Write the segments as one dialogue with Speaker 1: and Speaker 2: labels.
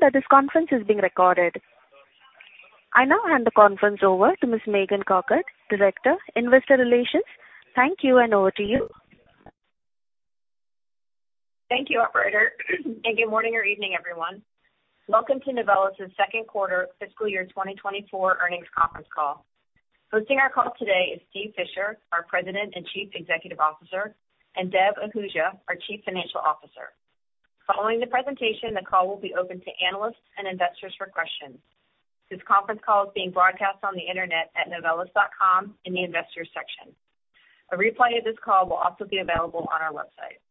Speaker 1: that this conference is being recorded. I now hand the conference over to Ms. Megan Cochard, Director, Investor Relations. Thank you, and over to you.
Speaker 2: Thank you, operator, and good morning or evening, everyone. Welcome to Novelis' second quarter fiscal year 2024 earnings conference call. Hosting our call today is Steve Fisher, our President and Chief Executive Officer, and Dev Ahuja, our Chief Financial Officer. Following the presentation, the call will be open to analysts and investors for questions. This conference call is being broadcast on the Internet at novelis.com in the Investors section. A replay of this call will also be available on our website.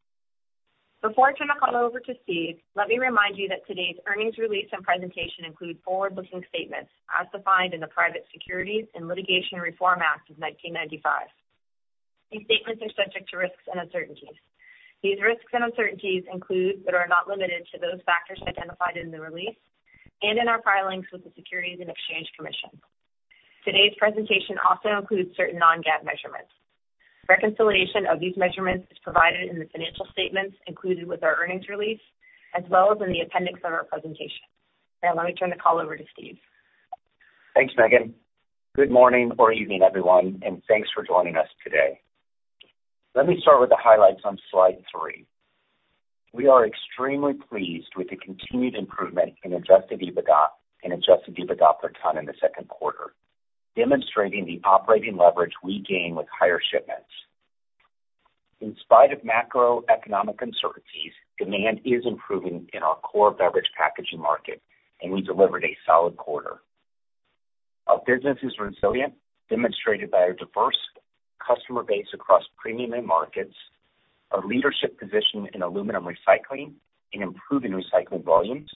Speaker 2: Before I turn the call over to Steve, let me remind you that today's earnings release and presentation include forward-looking statements as defined in the Private Securities Litigation Reform Act of 1995. These statements are subject to risks and uncertainties. These risks and uncertainties include, but are not limited to, those factors identified in the release and in our filings with the Securities and Exchange Commission. Today's presentation also includes certain non-GAAP measurements. Reconciliation of these measurements is provided in the financial statements included with our earnings release, as well as in the appendix of our presentation. Now, let me turn the call over to Steve.
Speaker 3: Thanks, Megan. Good morning or evening, everyone, and thanks for joining us today. Let me start with the highlights on slide three. We are extremely pleased with the continued improvement in Adjusted EBITDA and Adjusted EBITDA per tonne in the second quarter, demonstrating the operating leverage we gain with higher shipments. In spite of macroeconomic uncertainties, demand is improving in our core beverage packaging market, and we delivered a solid quarter. Our business is resilient, demonstrated by our diverse customer base across premium end markets, our leadership position in aluminum recycling and improving recycled volumes,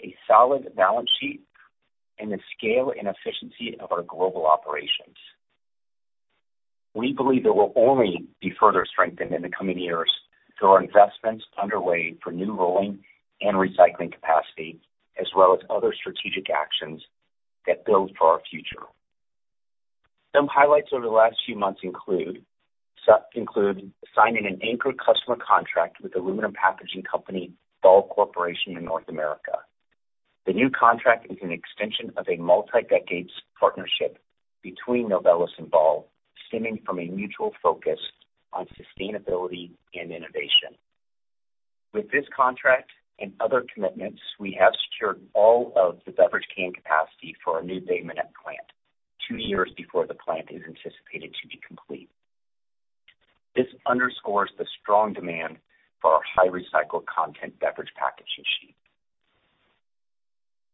Speaker 3: a solid balance sheet, and the scale and efficiency of our global operations. We believe it will only be further strengthened in the coming years through our investments underway for new rolling and recycling capacity, as well as other strategic actions that build for our future. Some highlights over the last few months include signing an anchored customer contract with aluminum packaging company Ball Corporation in North America. The new contract is an extension of a multi-decade partnership between Novelis and Ball, stemming from a mutual focus on sustainability and innovation. With this contract and other commitments, we have secured all of the beverage can capacity for our new Bay Minette plant two years before the plant is anticipated to be complete. This underscores the strong demand for our high-recycled content beverage packaging sheet.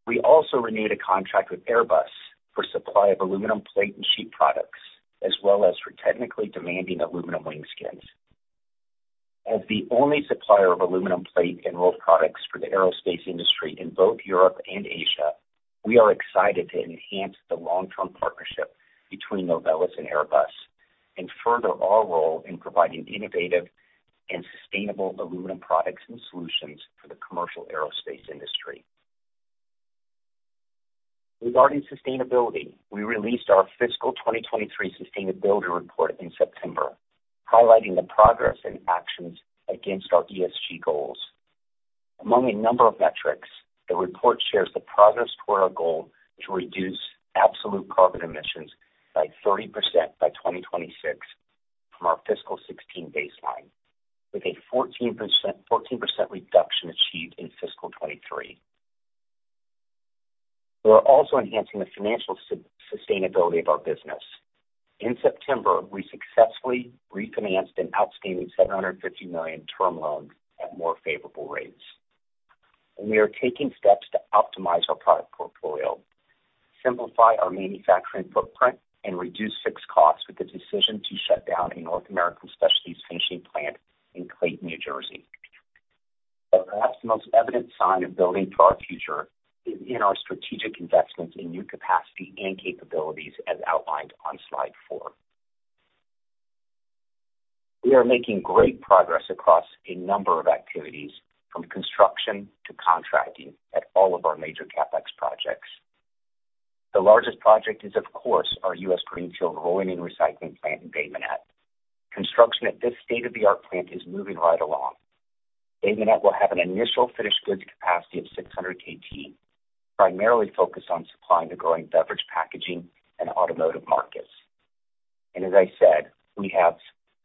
Speaker 3: We also renewed a contract with Airbus for supply of aluminum plate and sheet products, as well as for technically demanding aluminum wing skins. As the only supplier of aluminum plate and rolled products for the aerospace industry in both Europe and Asia, we are excited to enhance the long-term partnership between Novelis and Airbus and further our role in providing innovative and sustainable aluminum products and solutions for the commercial aerospace industry. Regarding sustainability, we released our fiscal 2023 sustainability report in September, highlighting the progress and actions against our ESG goals. Among a number of metrics, the report shares the progress toward our goal to reduce absolute carbon emissions by 30% by 2026 from our fiscal 2016 baseline, with a 14% reduction achieved in fiscal 2023. We are also enhancing the financial sustainability of our business. In September, we successfully refinanced an outstanding $750 million term loan at more favorable rates. We are taking steps to optimize our product portfolio, simplify our manufacturing footprint, and reduce fixed costs with the decision to shut down a North American specialty finishing plant in Clayton, New Jersey. Perhaps the most evident sign of building for our future is in our strategic investments in new capacity and capabilities, as outlined on slide four. We are making great progress across a number of activities, from construction to contracting, at all of our major CapEx projects. The largest project is, of course, our U.S. greenfield rolling and recycling plant in Bay Minette. Construction at this state-of-the-art plant is moving right along. Bay Minette will have an initial finished goods capacity of 600 kt, primarily focused on supplying the growing beverage, packaging, and automotive markets. As I said, we have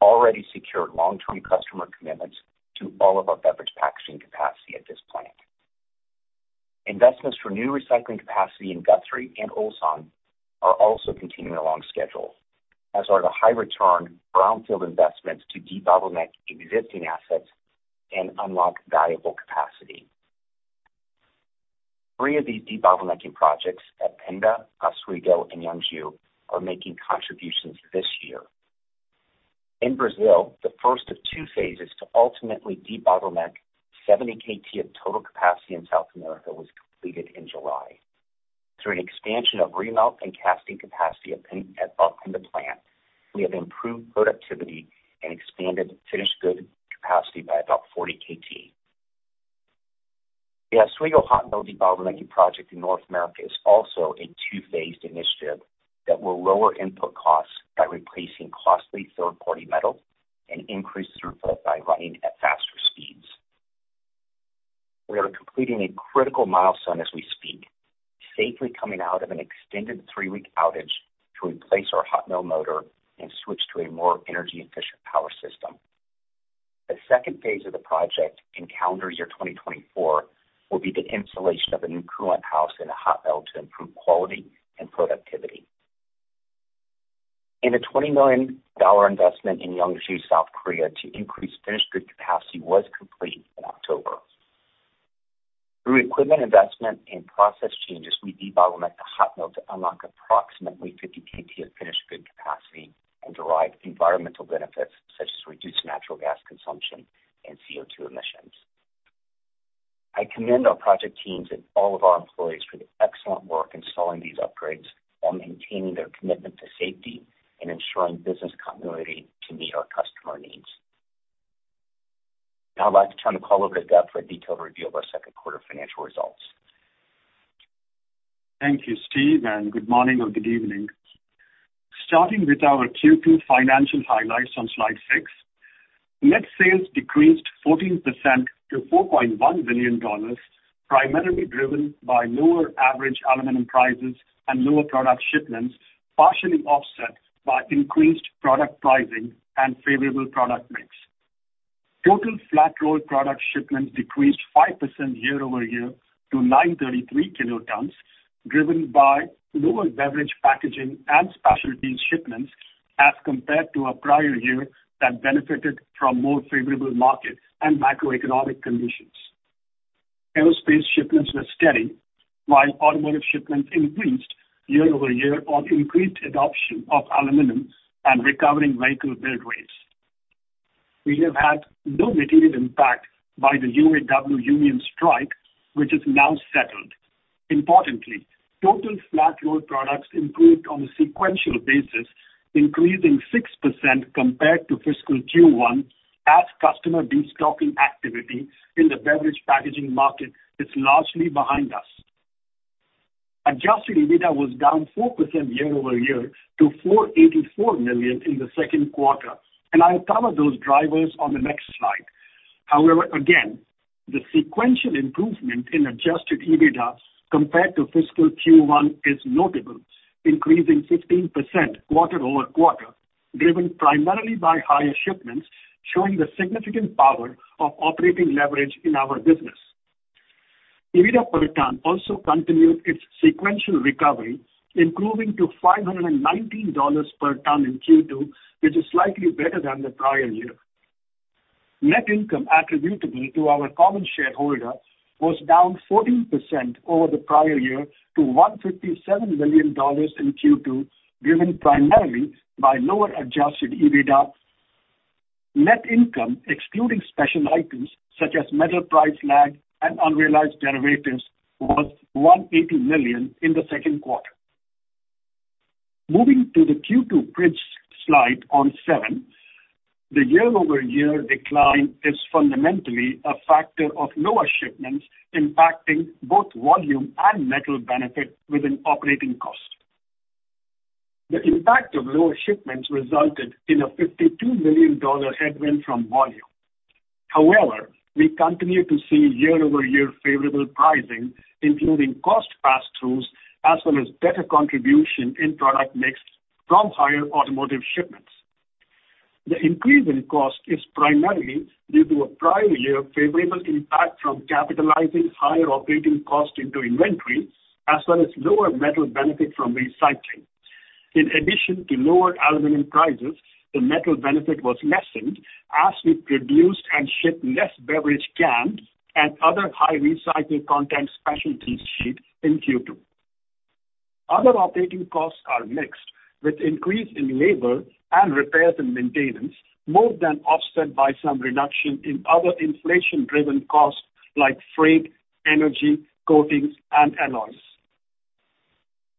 Speaker 3: already secured long-term customer commitments to all of our beverage packaging capacity at this plant. Investments for new recycling capacity in Guthrie and Ulsan are also continuing along schedule, as are the high-return brownfield investments to debottleneck existing assets and unlock valuable capacity. Three of these debottlenecking projects at Pindamonhangaba, Oswego, and Yeongju are making contributions this year. In Brazil, the first of two phases to ultimately debottleneck 70 kt of total capacity in South America was completed in July. Through an expansion of remelt and casting capacity at Pindamonhangaba plant, we have improved productivity and expanded finished goods capacity by about 40 kt. The Oswego hot mill debottlenecking project in North America is also a two-phased initiative that will lower input costs by replacing costly third-party metal and increase throughput by running at faster speeds. We are completing a critical milestone as we speak, safely coming out of an extended three-week outage to replace our hot mill motor and switch to a more energy-efficient power system. The second phase of the project in calendar year 2024 will be the installation of a new coolant house and a hot mill to improve quality and productivity. A $20 million investment in Yeongju, South Korea, to increase finished goods capacity was complete in October. Through equipment investment and process changes, we debottleneck the hot mill to unlock approximately 50 kt of finished goods capacity and derive environmental benefits, such as reduced natural gas consumption and CO2 emissions. I commend our project teams and all of our employees for the excellent work installing these upgrades while maintaining their commitment to safety and ensuring business continuity to meet our customer needs. Now I'd like to turn the call over to Dev for a detailed review of our second quarter financial results.
Speaker 4: Thank you, Steve, and good morning or good evening. Starting with our Q2 financial highlights on slide six, net sales decreased 14% to $4.1 billion, primarily driven by lower average aluminum prices and lower product shipments, partially offset by increased product pricing and favorable product mix. Total flat-rolled product shipments decreased 5% year-over-year to 933 kt, driven by lower beverage packaging and specialty shipments as compared to our prior year that benefited from more favorable market and macroeconomic conditions. Aerospace shipments were steady, while automotive shipments increased year-over-year on increased adoption of aluminum and recovering vehicle build rates. We have had no material impact by the UAW union strike, which is now settled. Importantly, total flat-rolled products improved on a sequential basis, increasing 6% compared to fiscal Q1, as customer destocking activity in the beverage packaging market is largely behind us. Adjusted EBITDA was down 4% year-over-year to $484 million in the second quarter. I'll cover those drivers on the next slide. Again, the sequential improvement in Adjusted EBITDA compared to fiscal Q1 is notable, increasing 15% quarter-over-quarter, driven primarily by higher shipments, showing the significant power of operating leverage in our business. EBITDA per ton also continued its sequential recovery, improving to $519 per ton in Q2, which is slightly better than the prior year. Net income attributable to our common shareholders was down 14% over the prior year to $157 million in Q2, driven primarily by lower Adjusted EBITDA. Net income, excluding special items such as metal price lag and unrealized derivatives, was $180 million in the second quarter. Moving to the Q2 bridge slide on seven, the year-over-year decline is fundamentally a factor of lower shipments impacting both volume and metal benefit within operating cost. The impact of lower shipments resulted in a $52 million headwind from volume. However, we continue to see year-over-year favorable pricing, including cost passthroughs, as well as better contribution in product mix from higher automotive shipments. The increase in cost is primarily due to a prior year favorable impact from capitalizing higher operating costs into inventory, as well as lower metal benefit from recycling. In addition to lower aluminum prices, the metal benefit was lessened as we produced and shipped less beverage cans and other high recycled content specialty sheet in Q2. Other operating costs are mixed, with increase in labor and repairs and maintenance, more than offset by some reduction in other inflation-driven costs like freight, energy, coatings, and alloys.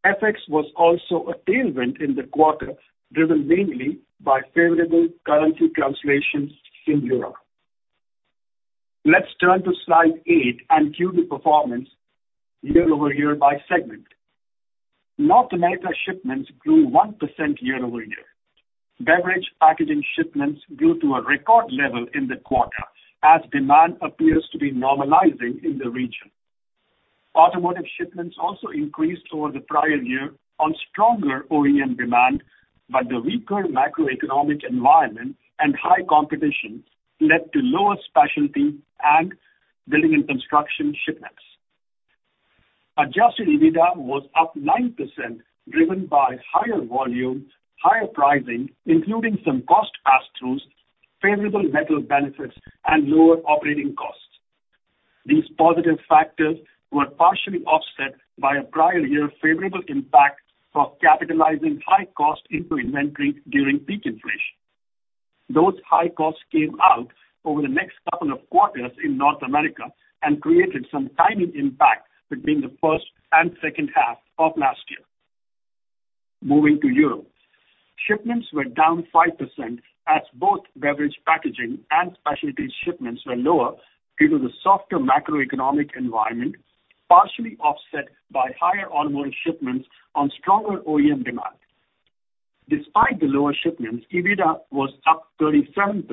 Speaker 4: FX was also a tailwind in the quarter, driven mainly by favorable currency translations in Europe. Let's turn to slide 8 and view the performance year-over-year by segment. North America shipments grew 1% year-over-year. Beverage packaging shipments grew to a record level in the quarter, as demand appears to be normalizing in the region. Automotive shipments also increased over the prior year on stronger OEM demand, but the weaker macroeconomic environment and high competition led to lower specialty and building and construction shipments. Adjusted EBITDA was up 9%, driven by higher volume, higher pricing, including some cost passthroughs, favorable metal benefits, and lower operating costs. These positive factors were partially offset by a prior year favorable impact from capitalizing high cost into inventory during peak inflation. Those high costs came out over the next couple of quarters in North America and created some timing impact between the first and second half of last year. Moving to Europe, shipments were down 5% as both beverage packaging and specialty shipments were lower due to the softer macroeconomic environment, partially offset by higher automotive shipments on stronger OEM demand. Despite the lower shipments, EBITDA was up 37%,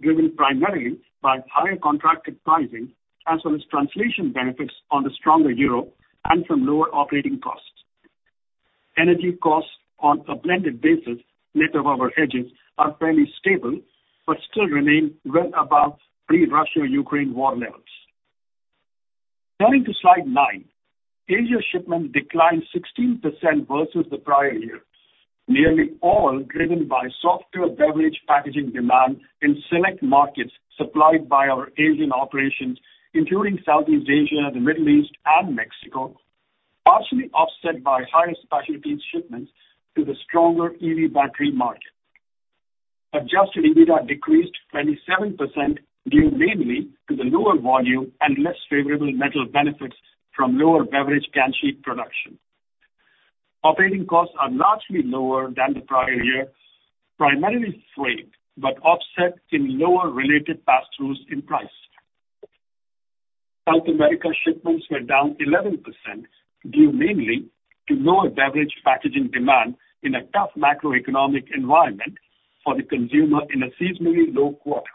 Speaker 4: driven primarily by higher contracted pricing, as well as translation benefits on the stronger euro and from lower operating costs. Energy costs on a blended basis, net of our hedges, are fairly stable, but still remain well above pre-Russia-Ukraine War levels. Turning to slide nine. Asia shipments declined 16% versus the prior year, nearly all driven by softer beverage packaging demand in select markets supplied by our Asian operations, including Southeast Asia, the Middle East, and Mexico, partially offset by higher specialties shipments to the stronger EV battery market. Adjusted EBITDA decreased 27%, due mainly to the lower volume and less favorable metal benefits from lower beverage can sheet production. Operating costs are largely lower than the prior year, primarily freight, but offset in lower related passthroughs in price. South America shipments were down 11%, due mainly to lower beverage packaging demand in a tough macroeconomic environment for the consumer in a seasonally low quarter.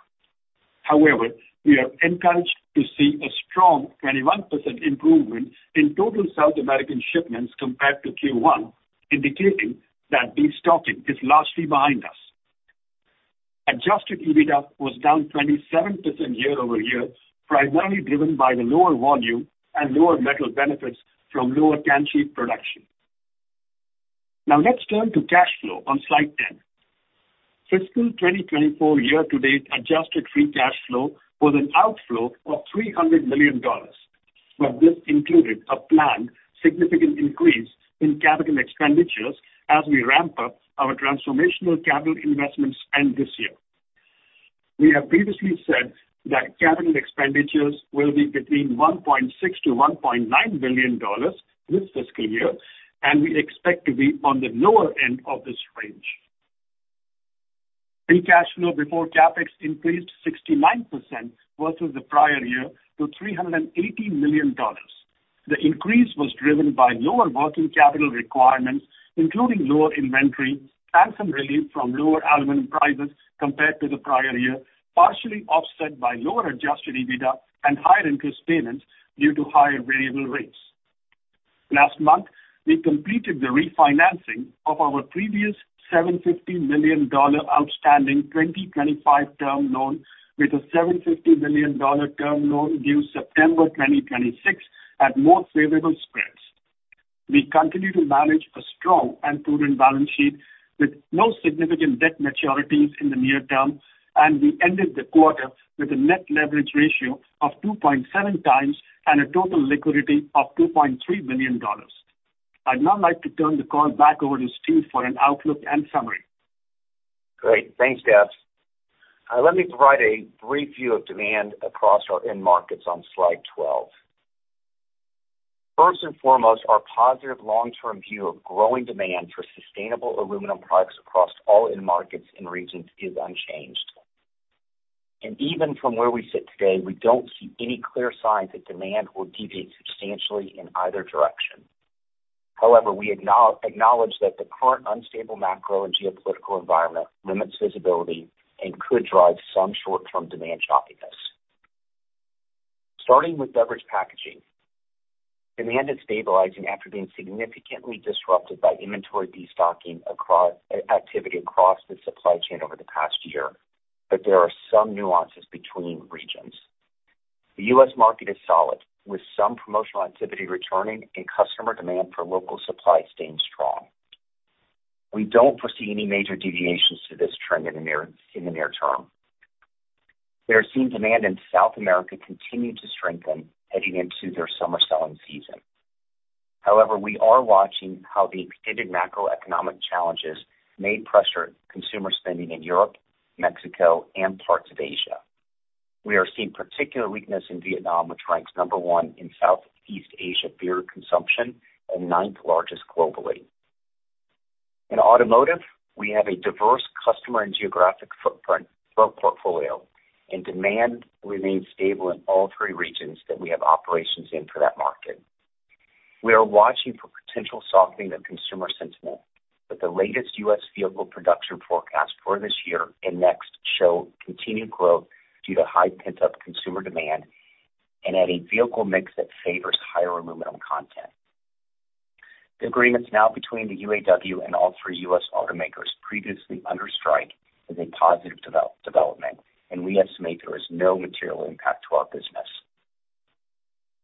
Speaker 4: However, we are encouraged to see a strong 21% improvement in total South American shipments compared to Q1, indicating that destocking is largely behind us. Adjusted EBITDA was down 27% year-over-year, primarily driven by the lower volume and lower metal benefits from lower can sheet production. Let's turn to cash flow on slide 10. Fiscal 2024 year-to-date adjusted free cash flow was an outflow of $300 million, but this included a planned significant increase in capital expenditures as we ramp up our transformational capital investments in this year. We have previously said that capital expenditures will be between $1.6 billion-$1.9 billion this fiscal year, and we expect to be on the lower end of this range. Free cash flow before CapEx increased 69% versus the prior year to $380 million. The increase was driven by lower working capital requirements, including lower inventory and some relief from lower aluminum prices compared to the prior year, partially offset by lower Adjusted EBITDA and higher interest payments due to higher variable rates. Last month, we completed the refinancing of our previous $750 million outstanding 2025 term loan with a $750 million term loan due September 2026 at more favorable spreads. We continue to manage a strong and prudent balance sheet with no significant debt maturities in the near term. We ended the quarter with a net leverage ratio of 2.7x and a total liquidity of $2.3 million. I'd now like to turn the call back over to Steve for an outlook and summary.
Speaker 3: Great. Thanks, Dev. Let me provide a brief view of demand across our end markets on slide 12. First and foremost, our positive long-term view of growing demand for sustainable aluminum products across all end markets and regions is unchanged. Even from where we sit today, we don't see any clear signs that demand will deviate substantially in either direction. However, we acknowledge that the current unstable macro and geopolitical environment limits visibility and could drive some short-term demand choppiness. Starting with beverage packaging, demand is stabilizing after being significantly disrupted by inventory destocking activity across the supply chain over the past year, there are some nuances between regions. The U.S. market is solid, with some promotional activity returning and customer demand for local supply staying strong. We don't foresee any major deviations to this trend in the near term. We are seeing demand in South America continue to strengthen heading into their summer selling season. However, we are watching how the extended macroeconomic challenges may pressure consumer spending in Europe, Mexico, and parts of Asia. We are seeing particular weakness in Vietnam, which ranks number one in Southeast Asia beer consumption and ninth largest globally. In automotive, we have a diverse customer and geographic footprint, portfolio, and demand remains stable in all three regions that we have operations in for that market. We are watching for potential softening of consumer sentiment. The latest U.S. vehicle production forecast for this year and next show continued growth due to high pent-up consumer demand and at a vehicle mix that favors higher aluminum content. The agreements now between the UAW and all three U.S. automakers previously under strike is a positive development, and we estimate there is no material impact to our business.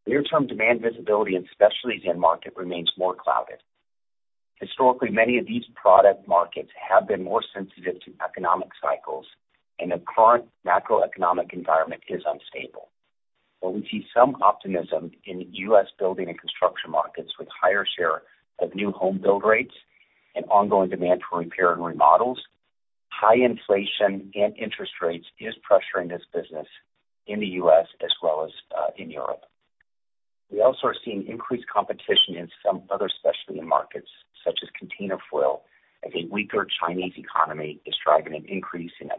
Speaker 3: Near-term demand visibility and specialties end market remains more clouded. Historically, many of these product markets have been more sensitive to economic cycles, and the current macroeconomic environment is unstable. While we see some optimism in U.S. building and construction markets with higher share of new home build rates and ongoing demand for repair and remodels, high inflation and interest rates is pressuring this business in the U.S. as well as in Europe. We also are seeing increased competition in some other specialty markets, such as container foil, as a weaker Chinese economy is driving an increase in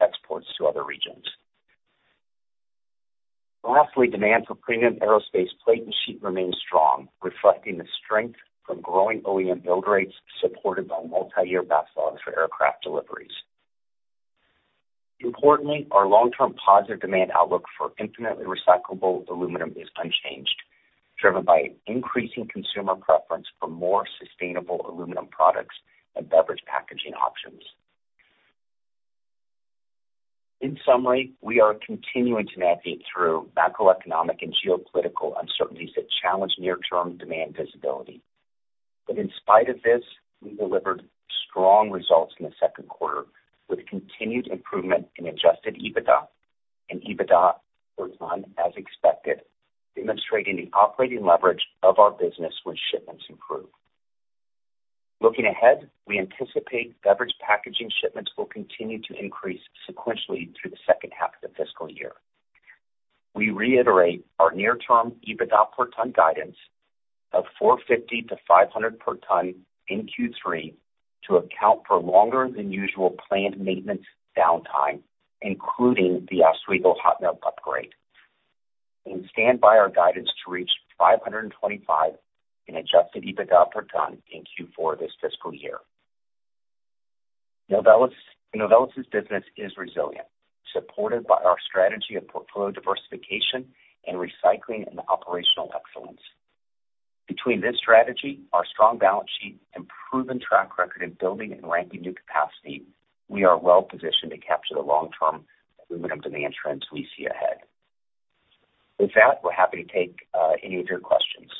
Speaker 3: exports to other regions. Demand for premium aerospace plate and sheet remains strong, reflecting the strength from growing OEM build rates, supported by multi-year backlogs for aircraft deliveries. Our long-term positive demand outlook for infinitely recyclable aluminum is unchanged, driven by increasing consumer preference for more sustainable aluminum products and beverage packaging options. We are continuing to navigate through macroeconomic and geopolitical uncertainties that challenge near-term demand visibility. In spite of this, we delivered strong results in the second quarter, with continued improvement in Adjusted EBITDA and EBITDA per tonne, as expected, demonstrating the operating leverage of our business when shipments improve. We anticipate beverage packaging shipments will continue to increase sequentially through the second half of the fiscal year. We reiterate our near-term Adjusted EBITDA per tonne guidance of $450-$500 per tonne in Q3 to account for longer than usual planned maintenance downtime, including the Oswego hot mill upgrade, and stand by our guidance to reach $525 in Adjusted EBITDA per tonne in Q4 this fiscal year. Novelis' business is resilient, supported by our strategy of portfolio diversification and recycling and operational excellence. Between this strategy, our strong balance sheet and proven track record in building and ramping new capacity, we are well positioned to capture the long-term aluminum demand trends we see ahead. With that, we're happy to take any of your questions.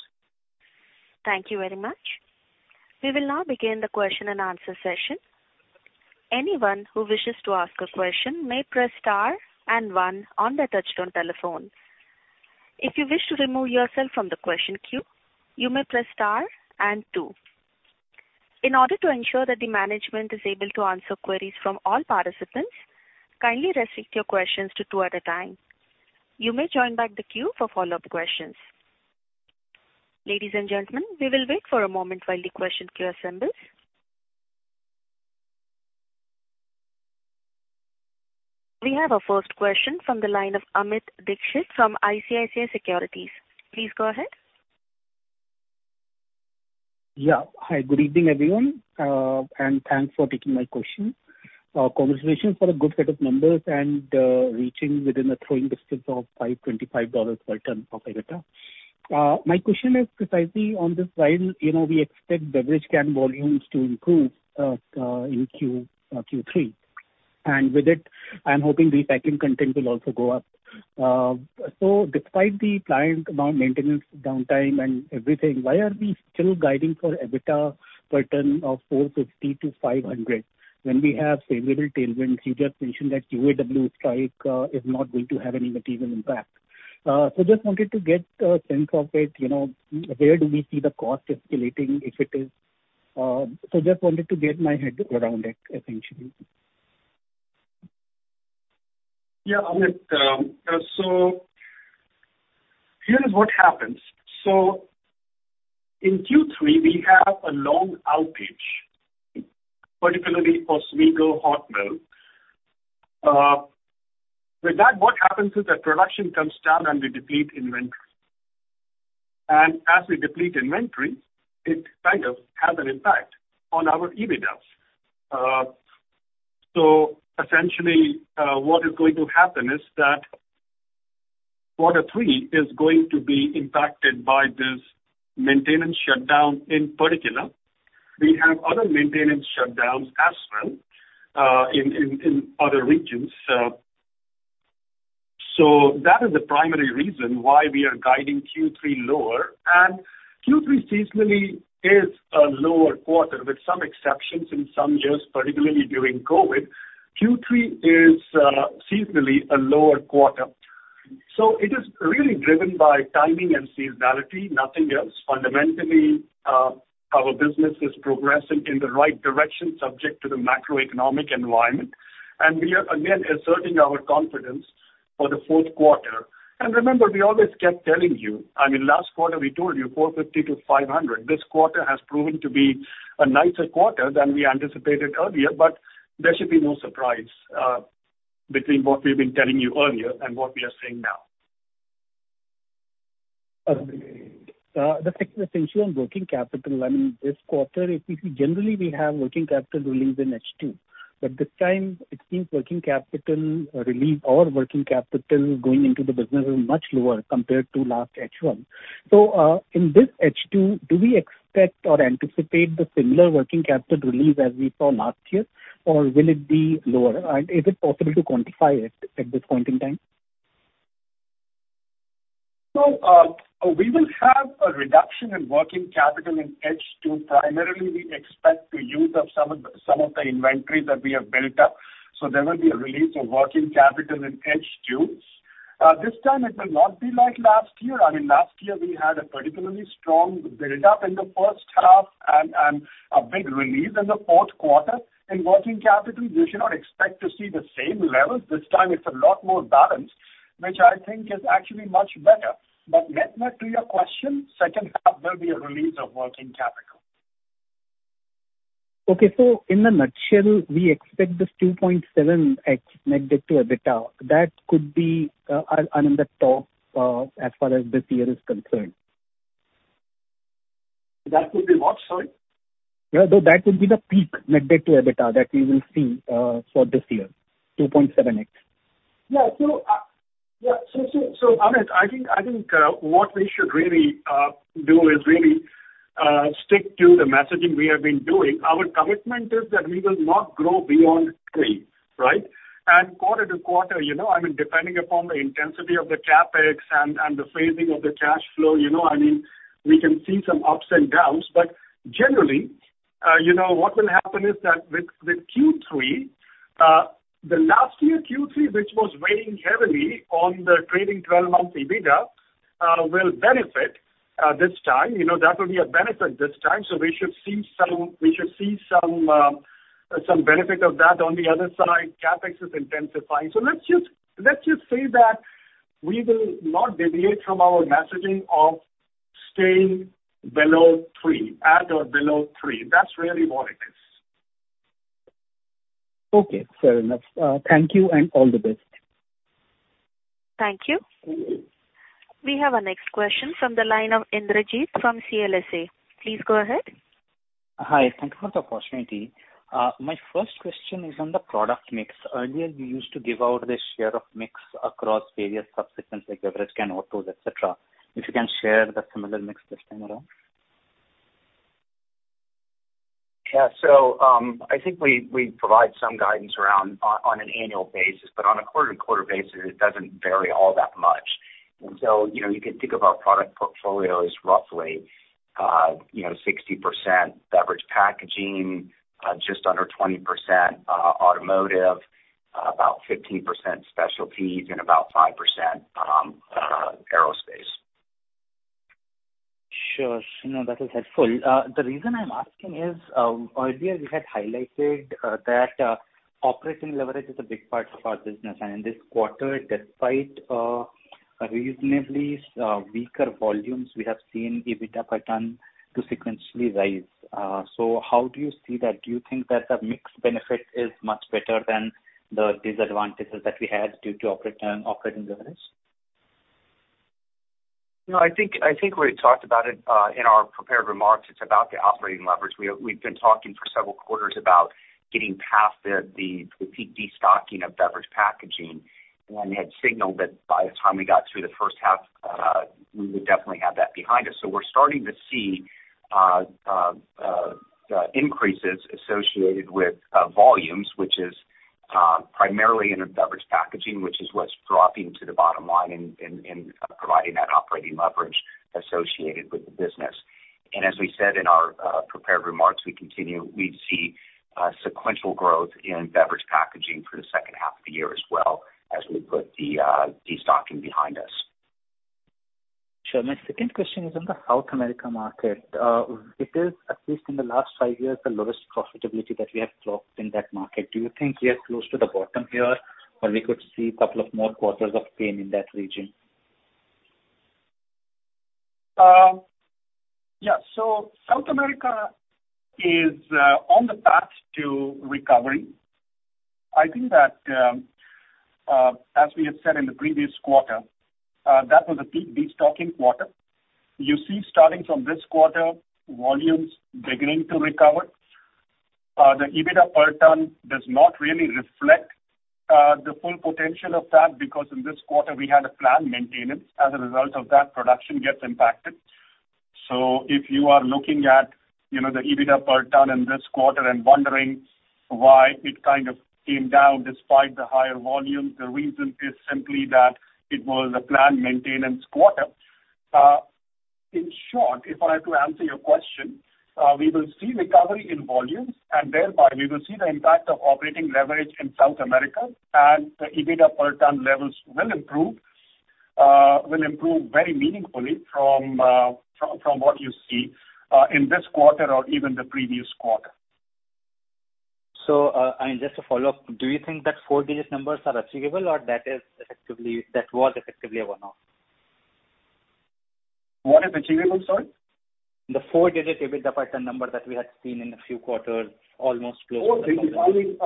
Speaker 1: Thank you very much. We will now begin the question-and-answer session. Anyone who wishes to ask a question may press star and one on their touchtone telephone. If you wish to remove yourself from the question queue, you may press star and two. In order to ensure that the management is able to answer queries from all participants, kindly restrict your questions to two at a time. You may join back the queue for follow-up questions. Ladies and gentlemen, we will wait for a moment while the question queue assembles. We have our first question from the line of Amit Dixit from ICICI Securities. Please go ahead.
Speaker 5: Yeah. Hi, good evening, everyone, and thanks for taking my question. Congratulations for a good set of numbers and reaching within a throwing distance of $525 per ton of EBITDA. My question is precisely on this. While, you know, we expect beverage can volumes to improve in Q3, and with it, I'm hoping recycling content will also go up. Despite the planned annual maintenance, downtime and everything, why are we still guiding for EBITDA per tonne of $450-$500 when we have favorable tailwinds? You just mentioned that UAW strike is not going to have any material impact. Just wanted to get a sense of it, you know, where do we see the cost escalating, if it is? Just wanted to get my head around it, essentially.
Speaker 4: Yeah, Amit, here is what happens. In Q3, we have a long outage, particularly Oswego hot mill. With that, what happens is that production comes down, and we deplete inventory. As we deplete inventory, it kind of has an impact on our EBITDA. Essentially, what is going to happen is that quarter 3 is going to be impacted by this maintenance shutdown in particular. We have other maintenance shutdowns as well, in other regions. That is the primary reason why we are guiding Q3 lower. Q3 seasonally is a lower quarter, with some exceptions in some years, particularly during COVID. Q3 is seasonally a lower quarter. It is really driven by timing and seasonality, nothing else. Fundamentally, our business is progressing in the right direction, subject to the macroeconomic environment, and we are again asserting our confidence for the fourth quarter. Remember, we always kept telling you. I mean, last quarter, we told you $450-$500. This quarter has proven to be a nicer quarter than we anticipated earlier. There should be no surprise between what we've been telling you earlier and what we are saying now.
Speaker 5: Okay. The second question is on working capital. I mean, this quarter, if we see, generally, we have working capital relief in H2, but this time it seems working capital relief or working capital going into the business is much lower compared to last H1. In this H2, do we expect or anticipate the similar working capital relief as we saw last year, or will it be lower? Is it possible to quantify it at this point in time?
Speaker 4: We will have a reduction in working capital in H2. Primarily, we expect the use of some of the inventory that we have built up. There will be a release of working capital in H2. This time it will not be like last year. I mean, last year we had a particularly strong build up in the first half.... and a big release in the fourth quarter in working capital. You should not expect to see the same levels. This time it's a lot more balanced, which I think is actually much better. Net net, to your question, second half there'll be a release of working capital.
Speaker 5: Okay. In a nutshell, we expect this 2.7x net debt to EBITDA. That could be on the top as far as this year is concerned?
Speaker 4: That would be what, sorry?
Speaker 5: That would be the peak net debt to EBITDA that we will see for this year, 2.7x.
Speaker 4: Yeah. Amit, I think, I think, what we should really do is really stick to the messaging we have been doing. Our commitment is that we will not grow beyond three, right? Quarter-to-quarter, you know, I mean, depending upon the intensity of the CapEx and the phasing of the cash flow, you know, I mean, we can see some ups and downs. Generally, you know, what will happen is that with Q3, the last year Q3, which was weighing heavily on the trailing 12-month EBITDA, will benefit this time. You know, that will be a benefit this time, so we should see some benefit of that. On the other side, CapEx is intensifying. Let's just say that we will not deviate from our messaging of staying below three, at or below three. That's really what it is.
Speaker 5: Okay, fair enough. Thank you and all the best.
Speaker 1: Thank you. We have our next question from the line of Indrajit from CLSA. Please go ahead.
Speaker 6: Hi, thank you for the opportunity. My first question is on the product mix. Earlier, you used to give out the share of mix across various subsystems like beverage and autos, et cetera. If you can share the similar mix this time around?
Speaker 3: Yeah. I think we provide some guidance around on an annual basis, but on a quarter-to-quarter basis, it doesn't vary all that much. You know, you can think of our product portfolio as roughly, you know, 60% beverage packaging, just under 20% automotive, about 15% specialties, and about 5% aerospace.
Speaker 6: Sure. No, that is helpful. The reason I'm asking is, earlier you had highlighted that operating leverage is a big part of our business, and in this quarter, despite reasonably weaker volumes, we have seen EBITDA per tonne to sequentially rise. How do you see that? Do you think that the mix benefit is much better than the disadvantages that we had due to operating leverage?
Speaker 3: I think we talked about it in our prepared remarks. It's about the operating leverage. We've been talking for several quarters about getting past the peak destocking of beverage packaging, and we had signaled that by the time we got through the first half, we would definitely have that behind us. We're starting to see increases associated with volumes, which is primarily in the beverage packaging, which is what's dropping to the bottom line in providing that operating leverage associated with the business. As we said in our prepared remarks, we'd see sequential growth in beverage packaging for the second half of the year as well as we put the destocking behind us.
Speaker 6: Sure. My second question is on the South America market. It is, at least in the last five years, the lowest profitability that we have clocked in that market. Do you think we are close to the bottom here, or we could see two more quarters of pain in that region?
Speaker 4: Yeah. South America is on the path to recovery. I think that, as we had said in the previous quarter, that was a peak destocking quarter. You see, starting from this quarter, volumes beginning to recover. The EBITDA per tonne does not really reflect the full potential of that, because in this quarter we had a planned maintenance. As a result of that, production gets impacted. If you are looking at, you know, the EBITDA per tonne in this quarter and wondering why it kind of came down despite the higher volumes, the reason is simply that it was a planned maintenance quarter. In short, if I were to answer your question, we will see recovery in volumes, and therefore we will see the impact of operating leverage in South America, and the EBITDA per tonne levels will improve, will improve very meaningfully from what you see in this quarter or even the previous quarter.
Speaker 6: I mean, just to follow up, do you think that four-digit numbers are achievable or that was effectively a one-off?
Speaker 4: What is achievable, sorry?
Speaker 6: The four-digit EBITDA per tonne number that we had seen in a few quarters, almost close-
Speaker 4: I mean,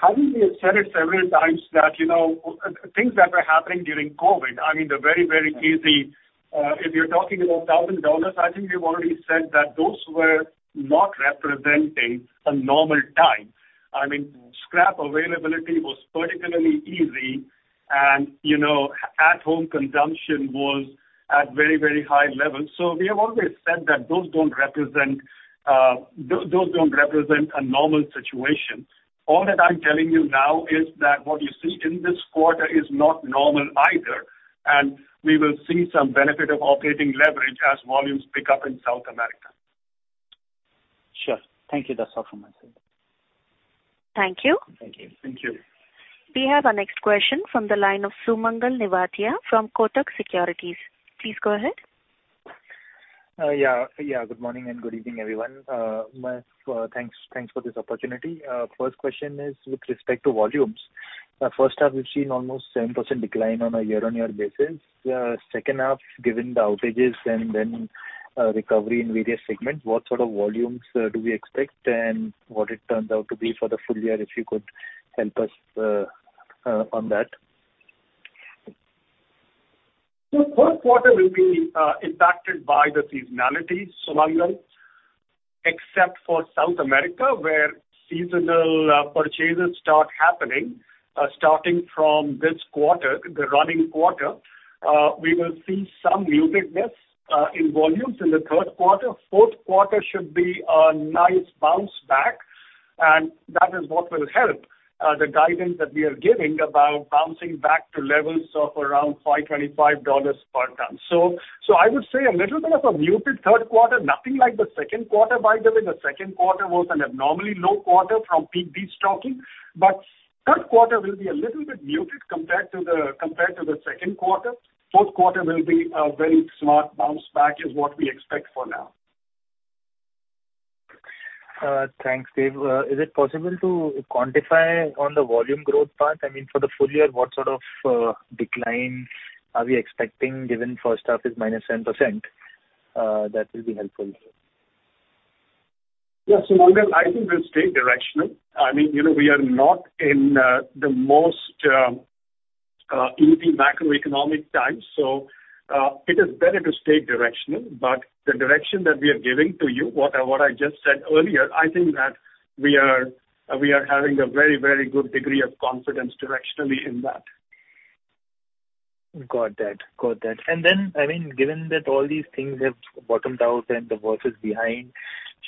Speaker 4: haven't we said it several times that, you know, things that were happening during COVID, I mean, they're very, very easy. If you're talking about $1,000, I think we've already said that those were not representing a normal time. I mean, scrap availability was particularly easy, and, you know, at-home consumption was at very, very high levels. We have always said that those don't represent a normal situation. All that I'm telling you now is that what you see in this quarter is not normal either, and we will see some benefit of operating leverage as volumes pick up in South America.
Speaker 6: Sure. Thank you. That's all from my side.
Speaker 1: Thank you.
Speaker 3: Thank you.
Speaker 4: Thank you.
Speaker 1: We have our next question from the line of Sumangal Nevatia from Kotak Securities. Please go ahead.
Speaker 7: Yeah. Good morning, and good evening, everyone. My, thanks for this opportunity. First question is with respect to volumes. First half, we've seen almost 7% decline on a year-on-year basis. Second half, given the outages and then, recovery in various segments, what sort of volumes do we expect, and what it turns out to be for the full year, if you could help us on that?
Speaker 4: First quarter will be impacted by the seasonality, Sumangal, except for South America, where seasonal purchases start happening starting from this quarter, the running quarter. We will see some mutedness in volumes in the third quarter. Fourth quarter should be a nice bounce back, and that is what will help the guidance that we are giving about bouncing back to levels of around $525 per ton. I would say a little bit of a muted third quarter, nothing like the second quarter, by the way. The second quarter was an abnormally low quarter from peak destocking. Third quarter will be a little bit muted compared to the second quarter. Fourth quarter will be a very smart bounce back, is what we expect for now.
Speaker 7: Thanks, Dev. Is it possible to quantify on the volume growth part? I mean, for the full year, what sort of decline are we expecting, given first half is -7%? That will be helpful.
Speaker 4: Sumangal, I think we'll stay directional. I mean, you know, we are not in the most easy macroeconomic times, so it is better to stay directional. The direction that we are giving to you, what I just said earlier, I think that we are having a very good degree of confidence directionally in that.
Speaker 7: Got that. Got that. I mean, given that all these things have bottomed out and the worst is behind,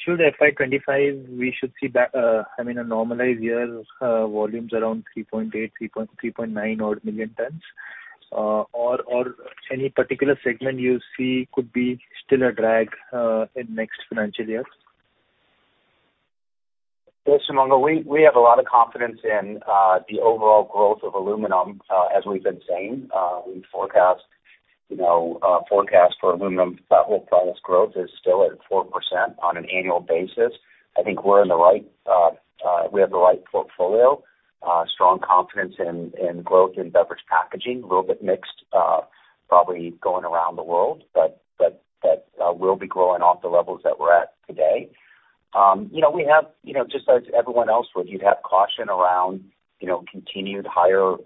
Speaker 7: should FY 2025, we should see back, I mean, a normalized year, volumes around 3.8 million tons-3.9 odd million tons? Or any particular segment you see could be still a drag in next financial year?
Speaker 3: Yes, Sumangal, we have a lot of confidence in the overall growth of aluminum. We've been saying, we forecast, you know, forecast for aluminum, that whole premise growth is still at 4% on an annual basis. I think we're in the right, we have the right portfolio, strong confidence in growth in beverage packaging. A little bit mixed, probably going around the world, but we'll be growing off the levels that we're at today. You know, we have, you know, just as everyone else would, you'd have caution around, you know, continued higher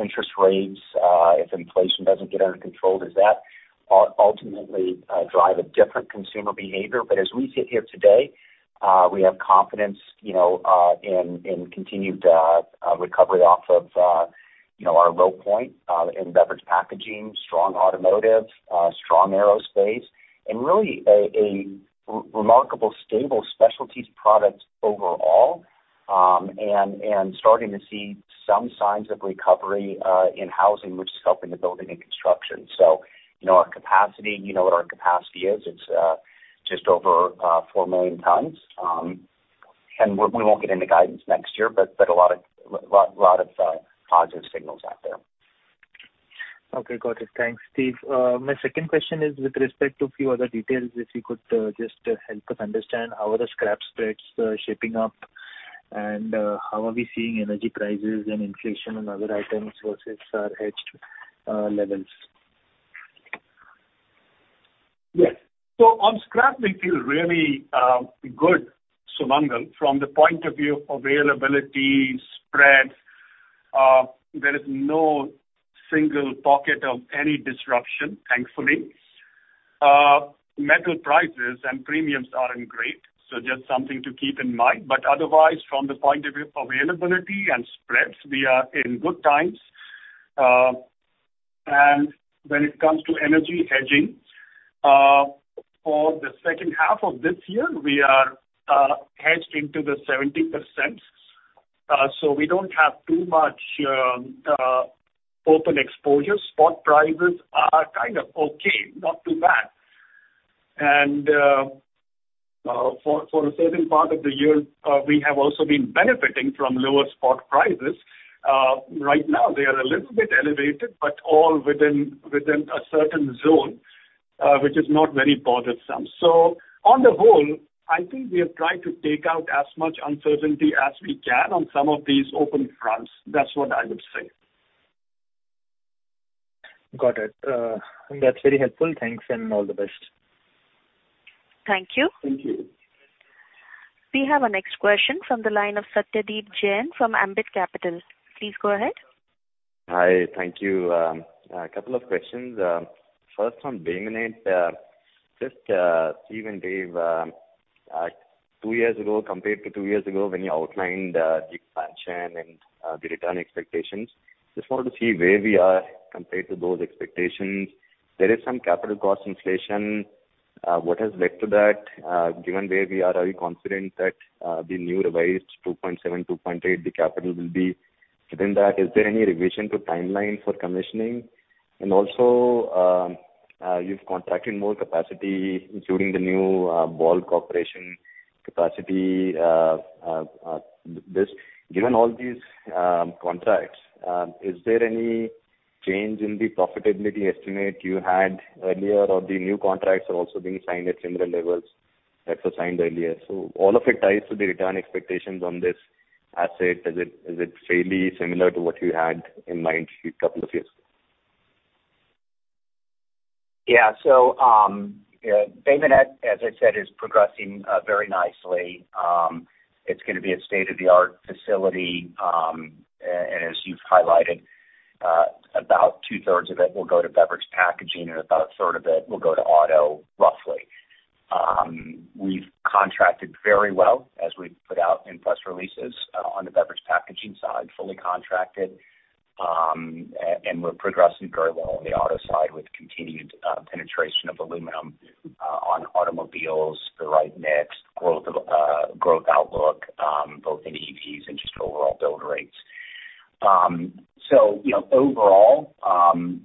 Speaker 3: interest rates, if inflation doesn't get under control, does that ultimately drive a different consumer behavior? As we sit here today, we have confidence, you know, in continued recovery off of, you know, our low point in beverage packaging, strong automotive, strong aerospace, and really a remarkable stable specialties products overall. Starting to see some signs of recovery in housing, which is helping the building and construction. You know, our capacity, you know what our capacity is. It's just over four million tons. We won't get into guidance next year, but a lot of positive signals out there.
Speaker 7: Okay. Got it. Thanks, Steve. My second question is with respect to a few other details, if you could, just help us understand how are the scrap spreads shaping up? How are we seeing energy prices and inflation on other items versus hedged levels?
Speaker 4: Yes. On scrap, we feel really good, Sumangal, from the point of view of availability, spreads, there is no single pocket of any disruption, thankfully. Metal prices and premiums aren't great, just something to keep in mind. Otherwise, from the point of view of availability and spreads, we are in good times. When it comes to energy hedging, for the second half of this year, we are hedged into the 70%. We don't have too much open exposure. Spot prices are kind of okay, not too bad. For a certain part of the year, we have also been benefiting from lower spot prices. Right now they are a little bit elevated, all within a certain zone, which is not very bothersome. On the whole, I think we have tried to take out as much uncertainty as we can on some of these open fronts. That's what I would say.
Speaker 7: Got it. That's very helpful. Thanks, and all the best.
Speaker 1: Thank you.
Speaker 4: Thank you.
Speaker 1: We have our next question from the line of Satyadeep Jain from Ambit Capital. Please go ahead.
Speaker 8: Hi. Thank you. A couple of questions. First on Bay Minette, just Steve and Dev, two years ago, compared to two years ago, when you outlined the expansion and the return expectations, just want to see where we are compared to those expectations. There is some capital cost inflation. What has led to that, given where we are you confident that the new revised 2.7, 2.8, the capital will be within that? Is there any revision to timeline for commissioning? Also, you've contracted more capacity, including the new Ball Corporation capacity. Given all these contracts, is there any change in the profitability estimate you had earlier, or the new contracts are also being signed at similar levels that were signed earlier? All of it ties to the return expectations on this asset. Is it fairly similar to what you had in mind a couple of years ago?
Speaker 3: Bay Minette, as I said, is progressing very nicely. It's gonna be a state-of-the-art facility, and as you've highlighted, about 2/3 of it will go to beverage packaging, and about a third of it will go to auto, roughly. We've contracted very well as we've put out in press releases, on the beverage packaging side, fully contracted. And we're progressing very well on the auto side with continued penetration of aluminum on automobiles, the right mix, growth of growth outlook, both in EVs and just overall build rates. You know, overall,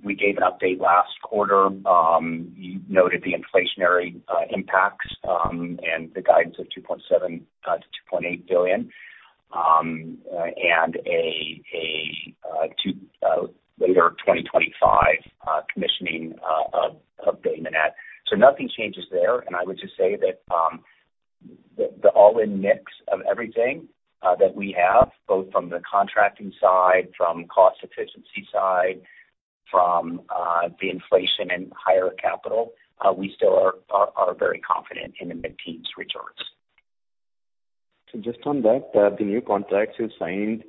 Speaker 3: we gave an update last quarter. You noted the inflationary impacts and the guidance of $2.7 billion-$2.8 billion and later 2025 commissioning of Bay Minette. Nothing changes there. I would just say that the all-in mix of everything that we have, both from the contracting side, from cost efficiency side, from the inflation and higher capital, we still are very confident in the mid-teens returns.
Speaker 8: Just on that, the new contracts you've signed,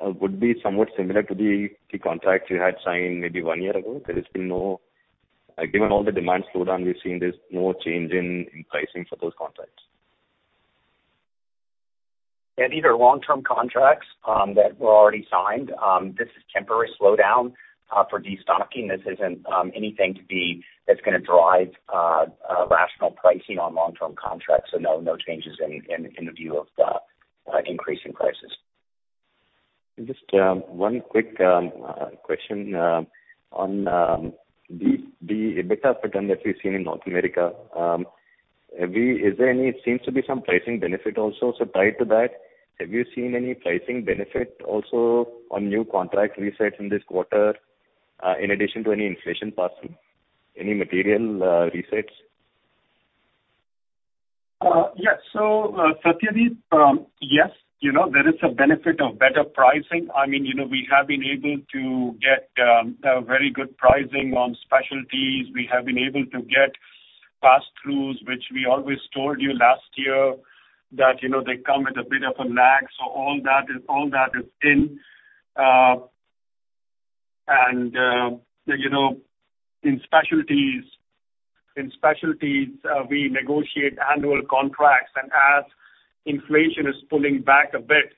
Speaker 8: would be somewhat similar to the contracts you had signed maybe one year ago? Given all the demand slowdown we've seen, there's no change in pricing for those contracts.
Speaker 3: These are long-term contracts that were already signed. This is temporary slowdown for destocking. This isn't anything that's gonna drive rational pricing on long-term contracts. No changes in the view of the increase in prices.
Speaker 8: Just one quick question on the EBITDA per tonne that we've seen in North America. Is there any, seems to be some pricing benefit also. Tied to that, have you seen any pricing benefit also on new contract resets in this quarter, in addition to any inflation passing, any material, resets?
Speaker 4: Yes, Satyadeep, yes, you know, there is a benefit of better pricing. I mean, you know, we have been able to get a very good pricing on specialties. We have been able to get passthroughs, which we always told you last year, that, you know, they come with a bit of a lag. All that is in. You know, in specialties, we negotiate annual contracts, and as inflation is pulling back a bit,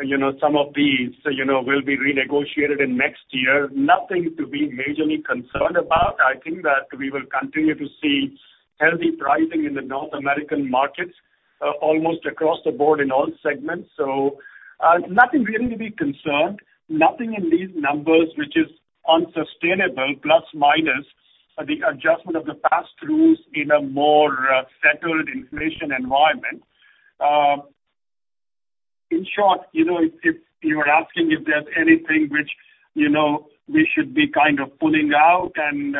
Speaker 4: you know, some of these, you know, will be renegotiated in next year. Nothing to be majorly concerned about. I think that we will continue to see healthy pricing in the North American markets, almost across the board in all segments. Nothing really to be concerned. Nothing in these numbers, which is unsustainable, plus, minus, the adjustment of the passthroughs in a more settled inflation environment. In short, you know, if you are asking if there's anything which, you know, we should be kind of pulling out and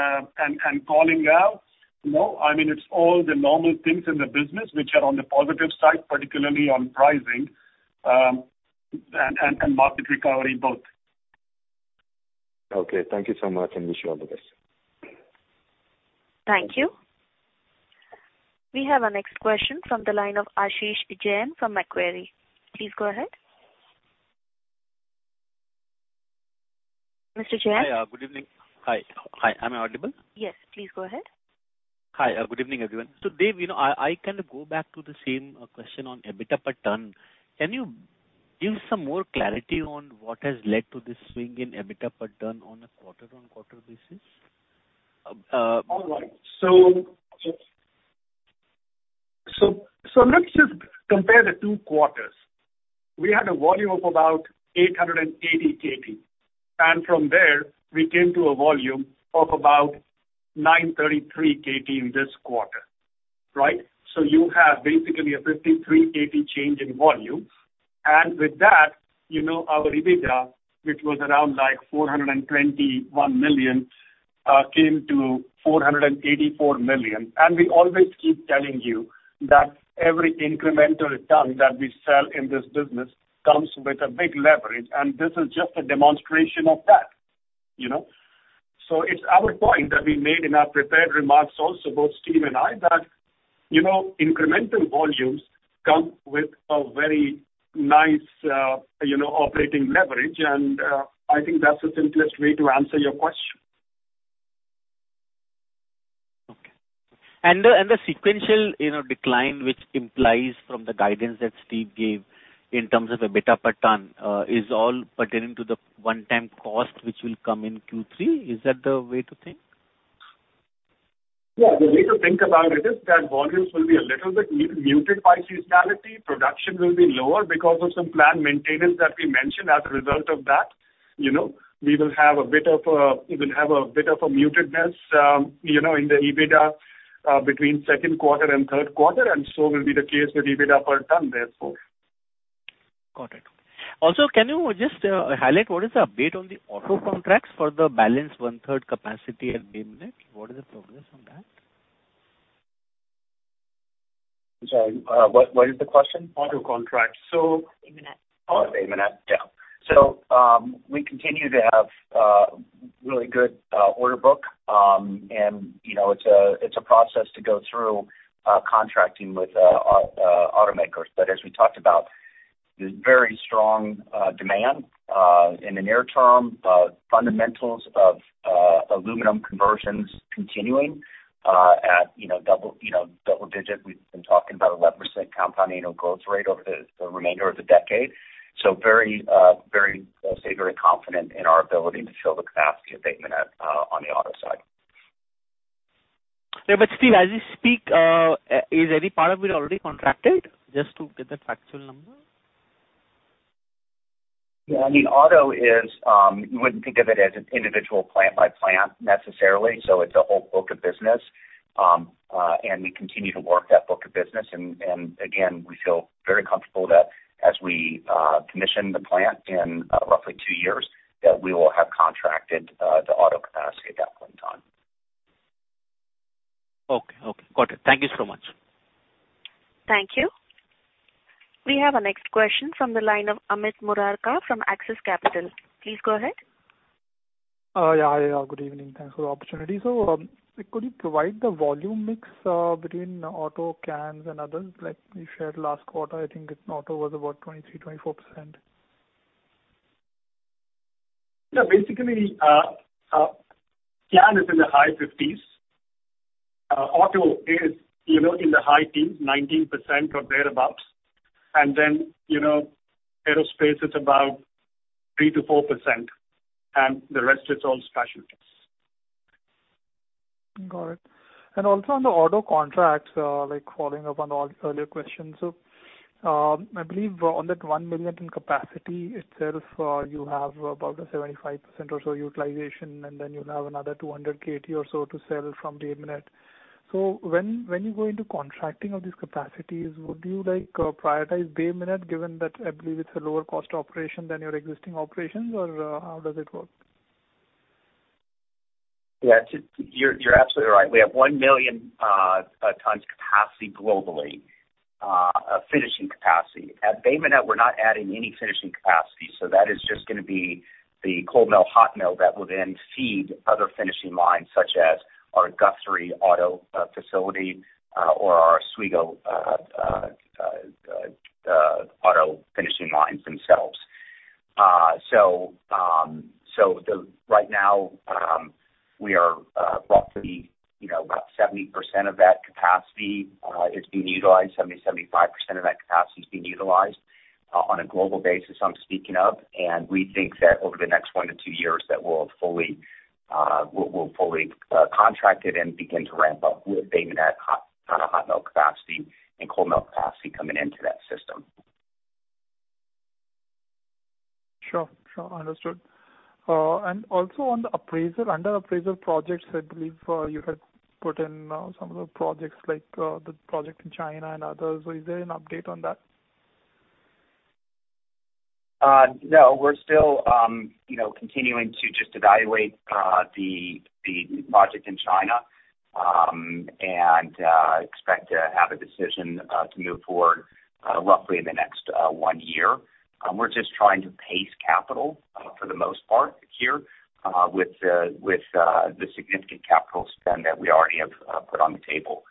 Speaker 4: calling out, no. I mean, it's all the normal things in the business which are on the positive side, particularly on pricing, and market recovery both.
Speaker 8: Okay. Thank you so much, and wish you all the best.
Speaker 1: Thank you. We have our next question from the line of Ashish Jain from Macquarie. Please go ahead. Mr. Jain?
Speaker 9: Hi, good evening. Hi. Hi, am I audible?
Speaker 1: Yes, please go ahead.
Speaker 9: Hi, good evening, everyone. Dev, you know, I kind of go back to the same question on EBITDA per ton. Can you give some more clarity on what has led to this swing in EBITDA per ton on a quarter-on-quarter basis?
Speaker 4: All right. Let's just compare the two quarters. We had a volume of about 880 kt, and from there, we came to a volume of about 933 kt in this quarter, right? You have basically a 53 kt change in volume. With that, you know, our EBITDA, which was around like $421 million, came to $484 million. We always keep telling you that every incremental ton that we sell in this business comes with a big leverage, and this is just a demonstration of that, you know? It's our point that we made in our prepared remarks also, both Steve and I, that, you know, incremental volumes come with a very nice, you know, operating leverage, and I think that's the simplest way to answer your question.
Speaker 9: Okay. The sequential, you know, decline, which implies from the guidance that Steve gave in terms of EBITDA per tonne, is all pertaining to the one-time cost, which will come in Q3. Is that the way to think?
Speaker 4: The way to think about it is that volumes will be a little bit muted by seasonality. Production will be lower because of some planned maintenance that we mentioned. You know, we will have a bit of a mutedness, you know, in the EBITDA between second quarter and third quarter, and so will be the case with EBITDA per tonne, therefore.
Speaker 9: Got it. Can you just highlight what is the update on the auto contracts for the balance one-third capacity at Bay Minette? What is the progress on that?
Speaker 3: I'm sorry, what is the question?
Speaker 10: Auto contracts.
Speaker 1: Bay Minette.
Speaker 3: Auto Bay Minette, yeah. We continue to have really good order book. You know, it's a process to go through contracting with automakers. As we talked about, there's very strong demand in the near term, fundamentals of aluminum conversions continuing at, you know, double digit. We've been talking about 11% compound annual growth rate over the remainder of the decade. Very, very, I'll say, very confident in our ability to fill the capacity at Bay Minette on the auto side.
Speaker 9: Yeah, Steve, as you speak, is any part of it already contracted, just to get the factual number?
Speaker 3: Yeah, I mean, auto is, you wouldn't think of it as an individual plant by plant necessarily, so it's a whole book of business. We continue to work that book of business. Again, we feel very comfortable that as we commission the plant in roughly two years, that we will have contracted the auto capacity at that point in time.
Speaker 9: Okay. Okay, got it. Thank you so much.
Speaker 1: Thank you. We have our next question from the line of Amit Murarka from Axis Capital. Please go ahead.
Speaker 11: Yeah, hi, good evening. Thanks for the opportunity. Could you provide the volume mix between auto, cans, and others? Like you shared last quarter, I think it's auto was about 23%-24%.
Speaker 4: Basically, can is in the high 50s. Auto is, you know, in the high teens, 19% or thereabouts. You know, aerospace is about 3%-4%, and the rest is all specialties.
Speaker 11: Got it. On the auto contracts, like following up on all the earlier questions. I believe on that one million in capacity itself, you have about a 75% or so utilization, and then you'll have another 200 kt or so to sell from Bay Minette. When you go into contracting of these capacities, would you like, prioritize Bay Minette, given that I believe it's a lower cost operation than your existing operations, or, how does it work?
Speaker 3: Yeah, you're absolutely right. We have one million tons capacity globally, a finishing capacity. At Bay Minette, we're not adding any finishing capacity, that is just gonna be the cold mill, hot mill that will then feed other finishing lines, such as our Guthrie auto facility or our Oswego auto finishing lines themselves. Right now, we are roughly, you know, about 70% of that capacity is being utilized, 70%-75% of that capacity is being utilized on a global basis, I'm speaking of. We think that over the next one-two years, that we'll have fully, we'll fully contract it and begin to ramp up with Bay Minette hot mill capacity and cold mill capacity coming into that system.
Speaker 11: Sure. Sure, understood. Also on the appraisal, under appraisal projects, I believe, you had put in some of the projects, like the project in China and others. Is there an update on that?
Speaker 3: No, we're still, you know, continuing to just evaluate the project in China, and expect to have a decision to move forward roughly in the next one year. We're just trying to pace capital for the most part here, with the significant capital spend that we already have put on the table.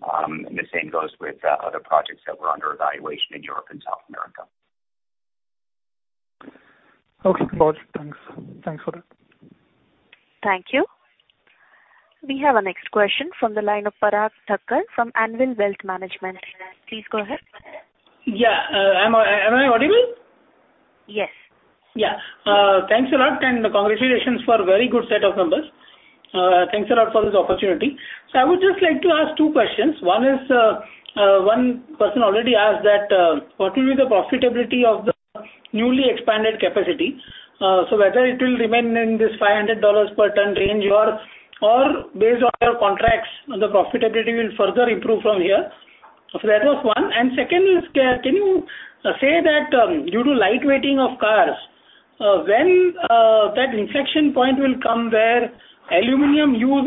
Speaker 3: The same goes with other projects that were under evaluation in Europe and South America.
Speaker 11: Okay, got it. Thanks. Thanks for that.
Speaker 1: Thank you. We have our next question from the line of Parag Thakkar from Anvil Wealth Management. Please go ahead.
Speaker 10: Yeah, am I audible?
Speaker 1: Yes.
Speaker 10: Thanks a lot, and congratulations for a very good set of numbers. Thanks a lot for this opportunity. I would just like to ask two questions. One is, one person already asked that, what will be the profitability of the newly expanded capacity? Whether it will remain in this $500 per tonne range or based on your contracts, the profitability will further improve from here? That was one. Second is, can you say that, due to lightweighting of cars, when, that inflection point will come where the aluminum use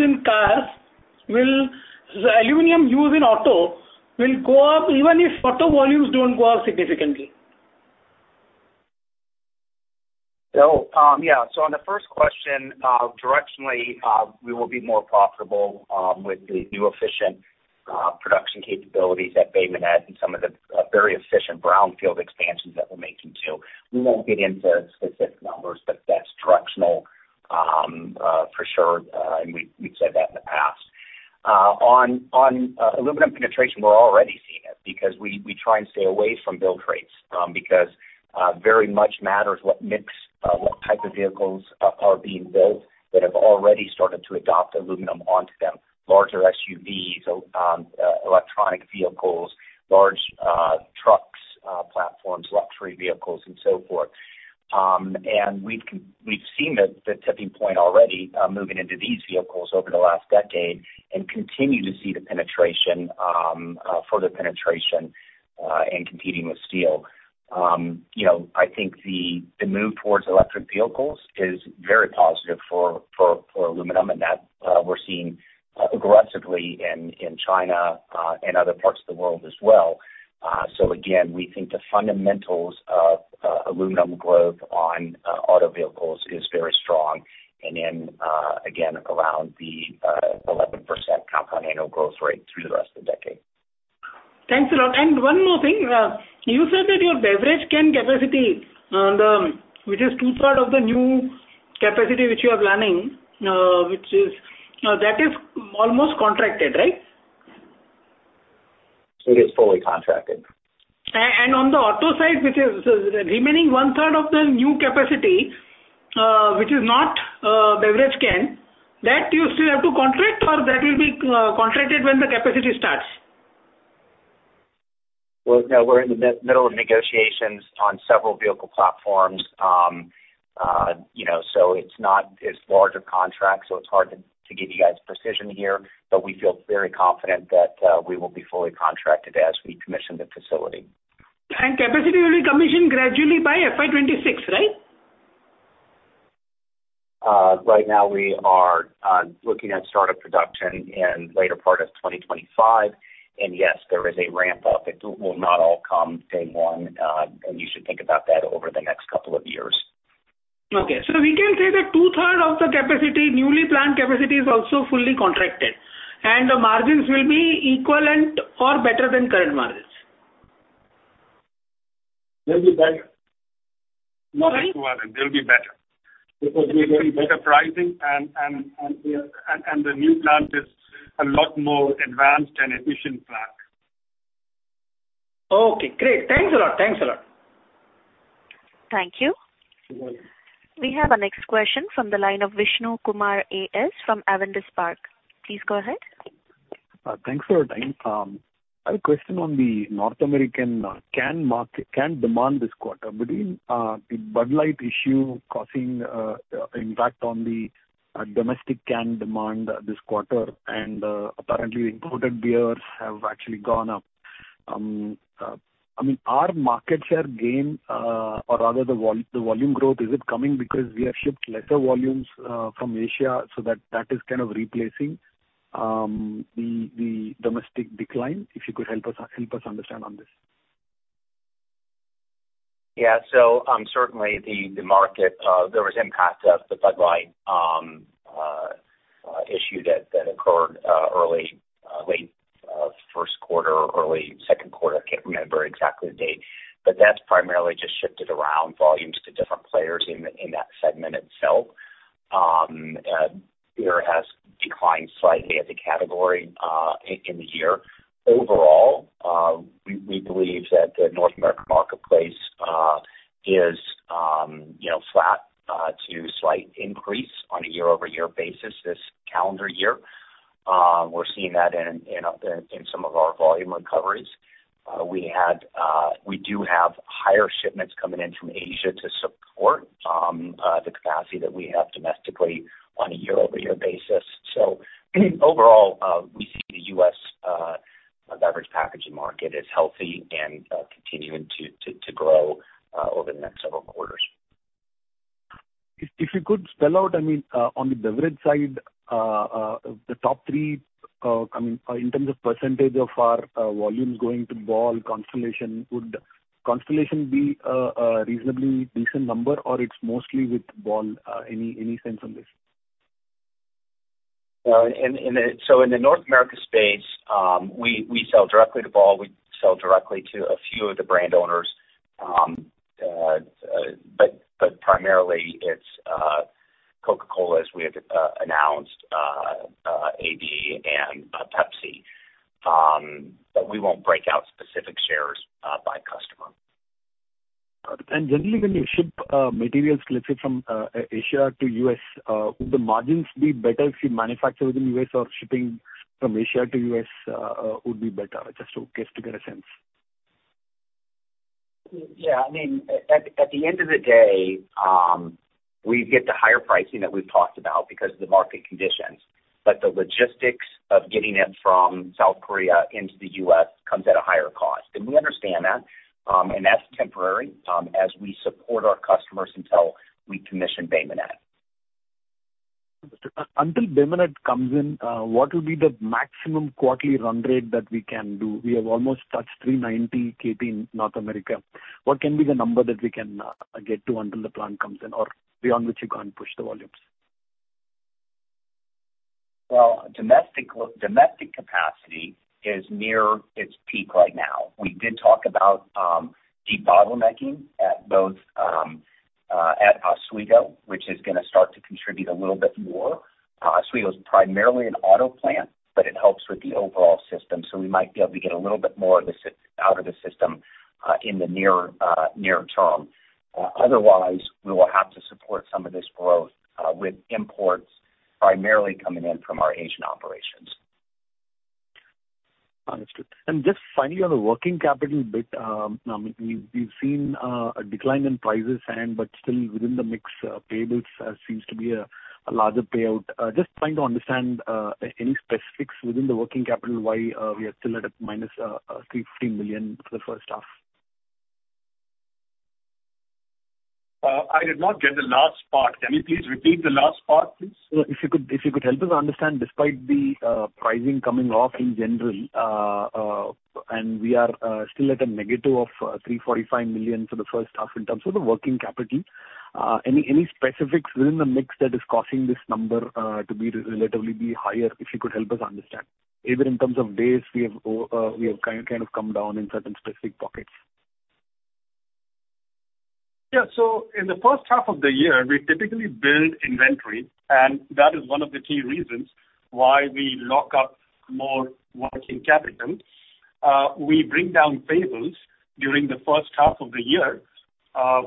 Speaker 10: in auto will go up, even if auto volumes don't go up significantly?
Speaker 3: Yeah. On the first question, directionally, we will be more profitable with the new efficient production capabilities at Bay Minette and some of the very efficient brownfield expansions that we're making, too. We won't get into specific numbers, but that's directional for sure. We, we've said that in the past. On aluminum penetration, we're already seeing it because we try and stay away from build rates. Very much matters what mix, what type of vehicles are being built that have already started to adopt aluminum onto them. Larger SUVs, electric vehicles, large trucks, platforms, luxury vehicles, and so forth. We've seen the tipping point already, moving into these vehicles over the last decade and continue to see the penetration, further penetration, in competing with steel. You know, I think the move towards electric vehicles is very positive for aluminum, and that we're seeing aggressively in China, and other parts of the world as well. Again, we think the fundamentals of aluminum growth on auto vehicles is very strong. Again, around the 11% compound annual growth rate through the rest of the decade.
Speaker 10: Thanks a lot. One more thing, you said that your beverage can capacity, which is 2/3 of the new capacity which you are planning, which is, that is almost contracted, right?
Speaker 3: It is fully contracted.
Speaker 10: On the auto side, which is the remaining one-third of the new capacity, which is not beverage can, that you still have to contract, or that will be contracted when the capacity starts?
Speaker 3: Well, no, we're in the middle of negotiations on several vehicle platforms. you know, so it's not as large a contract, so it's hard to give you guys precision here. We feel very confident that we will be fully contracted as we commission the facility.
Speaker 10: Capacity will be commissioned gradually by FY 2026, right?
Speaker 3: Right now we are looking at startup production in later part of 2025. Yes, there is a ramp-up. It will not all come day one, and you should think about that over the next couple of years.
Speaker 10: Okay. We can say that 2/3 of the capacity, newly planned capacity, is also fully contracted, and the margins will be equivalent or better than current margins?
Speaker 4: They'll be better.
Speaker 10: Margin?
Speaker 4: They'll be better. We're getting better pricing and the new plant is a lot more advanced and efficient plant.
Speaker 10: Okay, great. Thanks a lot. Thanks a lot.
Speaker 1: Thank you.
Speaker 4: You're welcome.
Speaker 1: We have our next question from the line of Vishnu Kumar A.S. from Avendus Spark. Please go ahead.
Speaker 12: Thanks for your time. I have a question on the North American can market, can demand this quarter. Between the Bud Light issue causing impact on the domestic can demand this quarter, and apparently, imported beers have actually gone up. I mean, our market share gain, or rather the volume growth, is it coming because we have shipped lesser volumes from Asia, so that is kind of replacing the domestic decline? If you could help us, help us understand on this.
Speaker 3: Certainly the market, there was impact of the Bud Light issue that occurred early late first quarter or early second quarter. I can't remember exactly the date. That's primarily just shifted around volumes to different players in that segment itself. And beer has declined slightly as a category in the year. Overall, we believe that the North American marketplace is, you know, flat to slight increase on a year-over-year basis this calendar year. We're seeing that in some of our volume recoveries. We do have higher shipments coming in from Asia to support the capacity that we have domestically on a year-over-year basis. Overall, we see the U.S. beverage packaging market is healthy and continuing to grow over the next several quarters.
Speaker 12: If you could spell out, I mean, on the beverage side, the top three, I mean, in terms of percentage of our volumes going to Ball, Constellation. Would Constellation be a reasonably decent number, or it's mostly with Ball? Any sense on this?
Speaker 3: In the North America space, we sell directly to Ball. We sell directly to a few of the brand owners. Primarily it's Coca-Cola, as we have announced, Anheuser-Busch and Pepsi. We won't break out specific shares by customer.
Speaker 12: Generally, when you ship materials, let's say, from Asia to U.S., would the margins be better if you manufacture within U.S. or shipping from Asia to U.S. would be better? Just to get a sense.
Speaker 3: Yeah, I mean, at the end of the day, we get the higher pricing that we've talked about because of the market conditions, but the logistics of getting it from South Korea into the U.S. comes at a higher cost, and we understand that. That's temporary, as we support our customers until we commission Bay Minette.
Speaker 12: Until Bay Minette comes in, what will be the maximum quarterly run rate that we can do? We have almost touched 390 kt in North America. What can be the number that we can get to until the plant comes in or beyond which you can't push the volumes?
Speaker 3: Well, domestic capacity is near its peak right now. We did talk about debottlenecking at both at Oswego, which is gonna contribute a little bit more. Sierre was primarily an auto plant, but it helps with the overall system, so we might be able to get a little bit more out of the system in the near term. Otherwise, we will have to support some of this growth with imports primarily coming in from our Asian operations.
Speaker 12: Understood. Just finally, on the working capital bit, we've seen a decline in prices and but still within the mix, payables seems to be a larger payout. Just trying to understand any specifics within the working capital, why we are still at a minus $350 million for the first half?
Speaker 4: I did not get the last part. Can you please repeat the last part, please?
Speaker 12: If you could help us understand, despite the pricing coming off in general, and we are still at a negative of $345 million for the first half in terms of the working capital, any specifics within the mix that is causing this number to be relatively higher, if you could help us understand? Even in terms of days, we have kind of come down in certain specific pockets.
Speaker 4: Yeah. In the first half of the year, we typically build inventory, and that is one of the key reasons why we lock up more working capital. We bring down payables during the first half of the year. I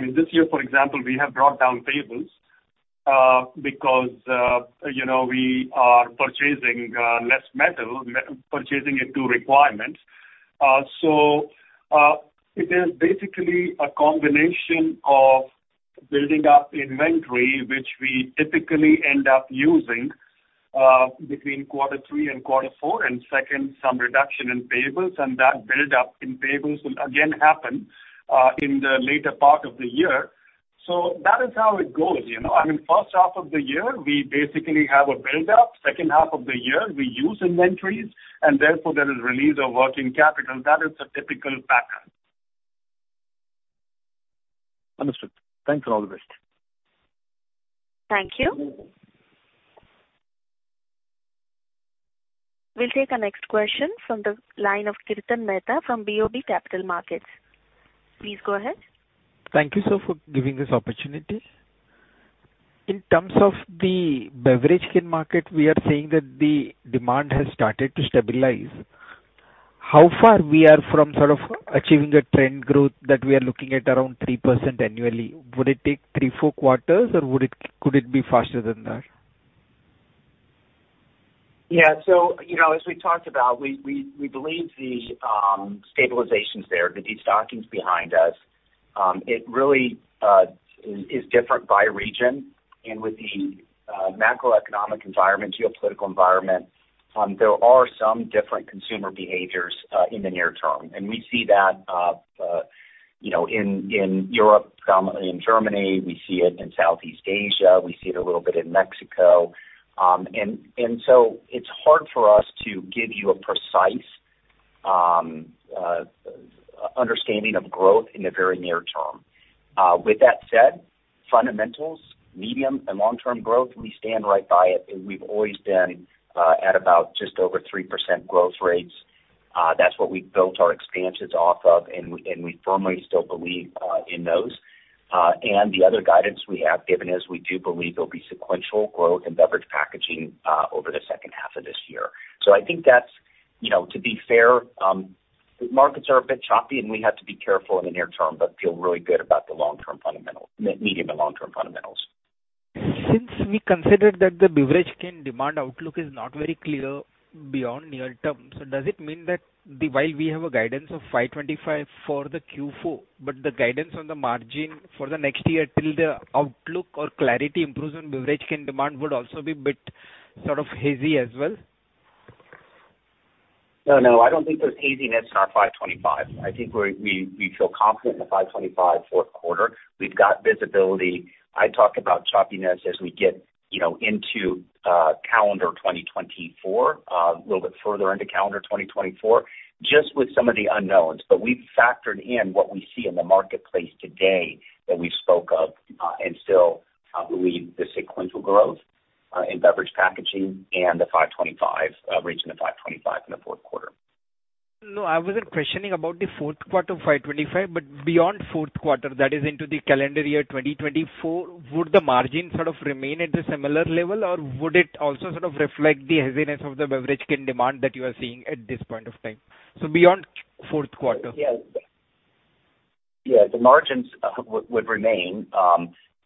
Speaker 4: mean, this year, for example, we have brought down payables, because, you know, we are purchasing less metal, purchasing it to requirements. It is basically a combination of building up inventory, which we typically end up using between quarter three and quarter four, and second, some reduction in payables, and that build-up in payables will again happen in the later part of the year. That is how it goes, you know. I mean, first half of the year, we basically have a build-up. Second half of the year, we use inventories, and therefore there is release of working capital. That is the typical pattern.
Speaker 12: Understood. Thanks for all the rest.
Speaker 1: Thank you. We'll take our next question from the line of Kirtan Mehta from BOB Capital Markets. Please go ahead.
Speaker 13: Thank you, sir, for giving this opportunity. In terms of the beverage can market, we are saying that the demand has started to stabilize. How far we are from sort of achieving the trend growth that we are looking at around 3% annually? Would it take three, four quarters, or could it be faster than that?
Speaker 3: Yeah. You know, as we talked about, we believe the stabilizations there, the destockings behind us, it really is different by region. With the macroeconomic environment, geopolitical environment, there are some different consumer behaviors in the near term. We see that, you know, in Europe, in Germany, we see it in Southeast Asia, we see it a little bit in Mexico. So it's hard for us to give you a precise understanding of growth in the very near term. With that said, fundamentals, medium and long-term growth, we stand right by it, and we've always been at about just over 3% growth rates. That's what we've built our expansions off of, and we firmly still believe in those. The other guidance we have given is we do believe there'll be sequential growth in beverage packaging over the second half of this year. I think that's, you know, to be fair, markets are a bit choppy, and we have to be careful in the near term, but feel really good about the long-term fundamental, the medium and long-term fundamentals.
Speaker 13: Since we considered that the beverage can demand outlook is not very clear beyond near term, so does it mean that while we have a guidance of $525 for the Q4, but the guidance on the margin for the next year till the outlook or clarity improves on beverage can demand, would also be bit sort of hazy as well?
Speaker 3: No, no, I don't think there's haziness in our $525. I think we feel confident in the $525 fourth quarter. We've got visibility. I talked about choppiness as we get, you know, into calendar 2024, a little bit further into calendar 2024, just with some of the unknowns. We've factored in what we see in the marketplace today that we spoke of and still believe the sequential growth in beverage packaging and the $525 reaching the $525 in the fourth quarter.
Speaker 13: I wasn't questioning about the fourth quarter $525. Beyond fourth quarter, that is into the calendar year 2024, would the margin sort of remain at a similar level, or would it also sort of reflect the haziness of the beverage can demand that you are seeing at this point of time? Beyond fourth quarter.
Speaker 3: Yeah. The margins would remain.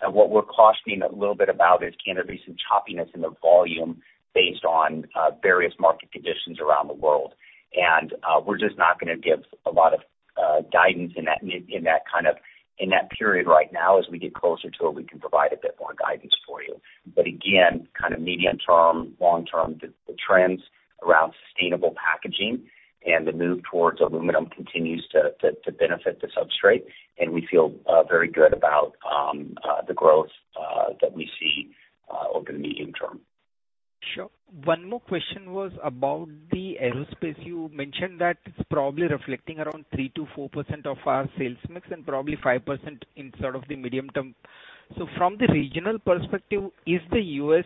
Speaker 3: What we're cautioning a little bit about is can there be some choppiness in the volume based on various market conditions around the world. We're just not gonna give a lot of guidance in that kind of period right now. As we get closer to it, we can provide a bit more guidance for you. Again, kind of medium term, long term, the trends around sustainable packaging and the move towards aluminum continues to benefit the substrate, and we feel very good about the growth that we see over the medium term.
Speaker 13: Sure. One more question was about the aerospace. You mentioned that it's probably reflecting around 3%-4% of our sales mix and probably 5% in sort of the medium term. From the regional perspective, is the U.S.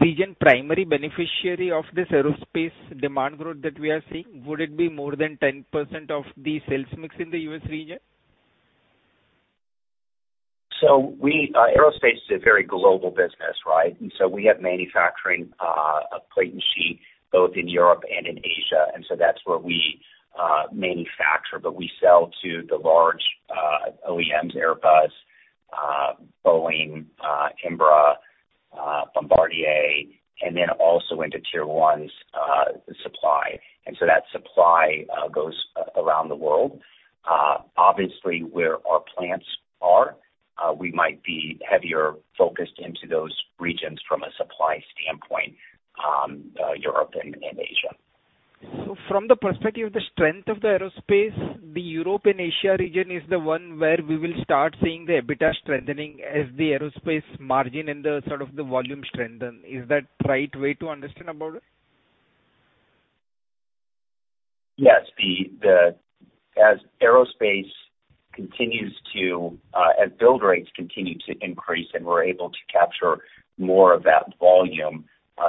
Speaker 13: region primary beneficiary of this aerospace demand growth that we are seeing? Would it be more than 10% of the sales mix in the U.S. region?
Speaker 3: We, aerospace is a very global business, right? We have manufacturing, a plate and sheet both in Europe and in Asia, that's where we manufacture. We sell to the large OEMs, Airbus, Boeing, Embraer, Bombardier, and then also into Tier Ones, supply. That supply goes around the world. Obviously, where our plants are, we might be heavier focused into those regions from a supply standpoint, Europe and Asia.
Speaker 13: From the perspective of the strength of the aerospace, the Europe and Asia region is the one where we will start seeing the EBITDA strengthening as the aerospace margin and the sort of the volume strengthen. Is that right way to understand about it?
Speaker 3: Yes. As aerospace continues to as build rates continue to increase and we're able to capture more of that volume,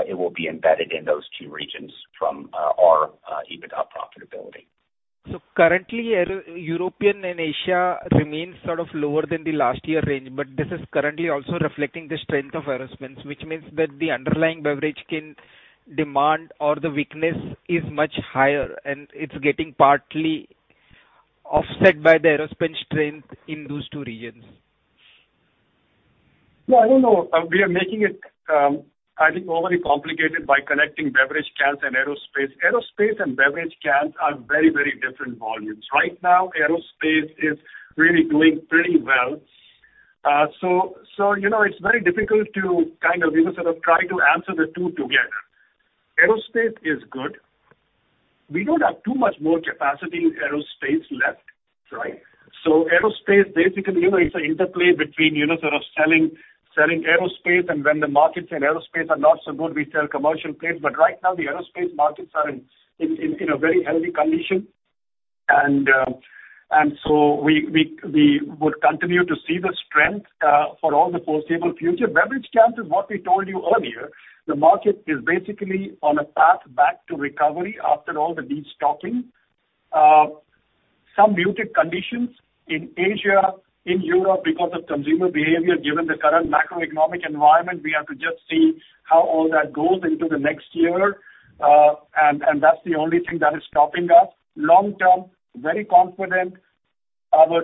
Speaker 3: it will be embedded in those two regions from our EBITDA profitability.
Speaker 13: Currently, aero European and Asia remains sort of lower than the last year range. This is currently also reflecting the strength of aerospace, which means that the underlying beverage can demand or the weakness is much higher, and it's getting partly offset by the aerospace strength in those two regions.
Speaker 4: No, I don't know. We are making it, I think, overly complicated by connecting beverage cans and aerospace. Aerospace and beverage cans are very, very different volumes. Right now, aerospace is really doing pretty well. So, you know, it's very difficult to kind of even sort of try to answer the two together. Aerospace is good. We don't have too much more capacity in aerospace left, right? Aerospace, basically, you know, it's an interplay between, you know, sort of selling aerospace and when the markets in aerospace are not so good, we sell commercial planes. Right now the aerospace markets are in a very healthy condition. And so we would continue to see the strength for all the foreseeable future. Beverage cans is what we told you earlier, the market is basically on a path back to recovery after all the destocking. Some muted conditions in Asia, in Europe, because of consumer behavior, given the current macroeconomic environment, we have to just see how all that goes into the next year. That's the only thing that is stopping us. Long term, very confident, our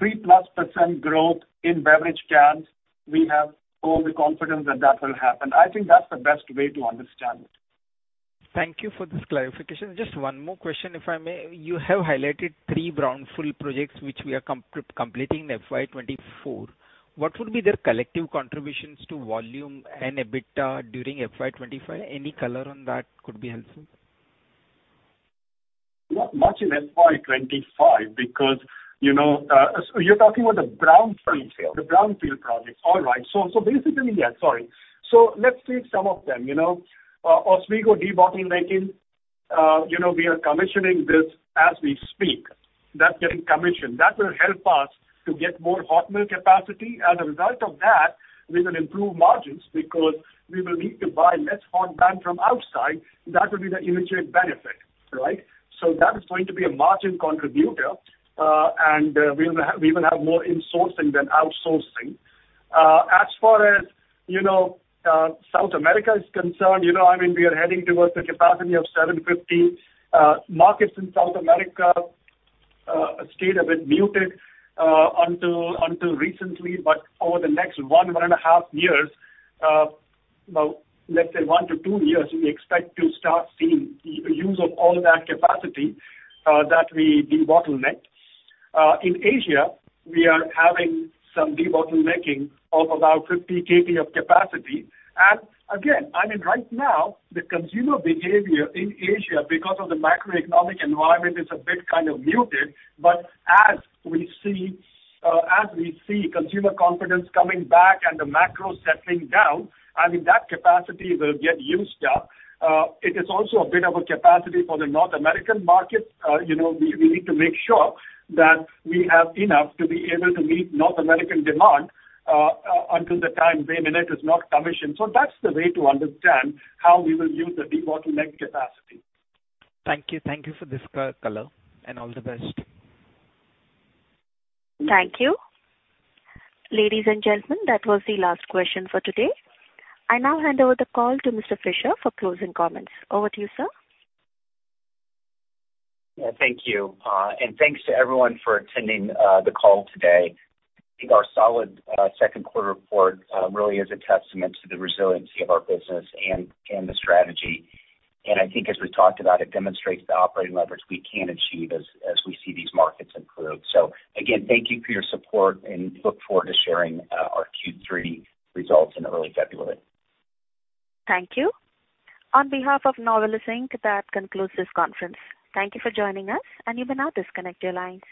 Speaker 4: 3+% growth in beverage cans, we have all the confidence that that will happen. I think that's the best way to understand it.
Speaker 13: Thank you for this clarification. Just one more question, if I may. You have highlighted three brownfield projects which we are completing in FY 2024. What would be their collective contributions to volume and EBITDA during FY 2025? Any color on that could be helpful.
Speaker 4: Not much in FY 2025, because, you know, you're talking about the brownfield scale, the brownfield projects. All right. Basically, yeah, sorry. Let's take some of them, you know. Oswego debottlenecking, you know, we are commissioning this as we speak. That's getting commissioned. That will help us to get more hot mill capacity. As a result of that, we will improve margins because we will need to buy less hot band from outside. That would be the immediate benefit, right? That is going to be a margin contributor, and we will have more insourcing than outsourcing. As far as, you know, South America is concerned, you know, I mean, we are heading towards a capacity of 750. Markets in South America stayed a bit muted until recently, but over the next 1.5 years, well, let's say one-two years, we expect to start seeing the use of all that capacity that we debottleneck. In Asia, we are having some debottlenecking of about 50 kt of capacity. Again, I mean, right now, the consumer behavior in Asia, because of the macroeconomic environment, is a bit kind of muted. As we see, as we see consumer confidence coming back and the macro settling down, I mean, that capacity will get used up. It is also a bit of a capacity for the North American market. You know, we need to make sure that we have enough to be able to meet North American demand until the time Bay Minette is not commissioned. That's the way to understand how we will use the debottleneck capacity.
Speaker 13: Thank you. Thank you for this color, and all the best.
Speaker 1: Thank you. Ladies and gentlemen, that was the last question for today. I now hand over the call to Mr. Fisher for closing comments. Over to you, sir.
Speaker 3: Yeah, thank you. Thanks to everyone for attending the call today. I think our solid second quarter report really is a testament to the resiliency of our business and the strategy. I think as we talked about, it demonstrates the operating leverage we can achieve as we see these markets improve. Again, thank you for your support and look forward to sharing our Q3 results in early February.
Speaker 1: Thank you. On behalf of Novelis Inc., that concludes this conference. Thank you for joining us, and you may now disconnect your lines.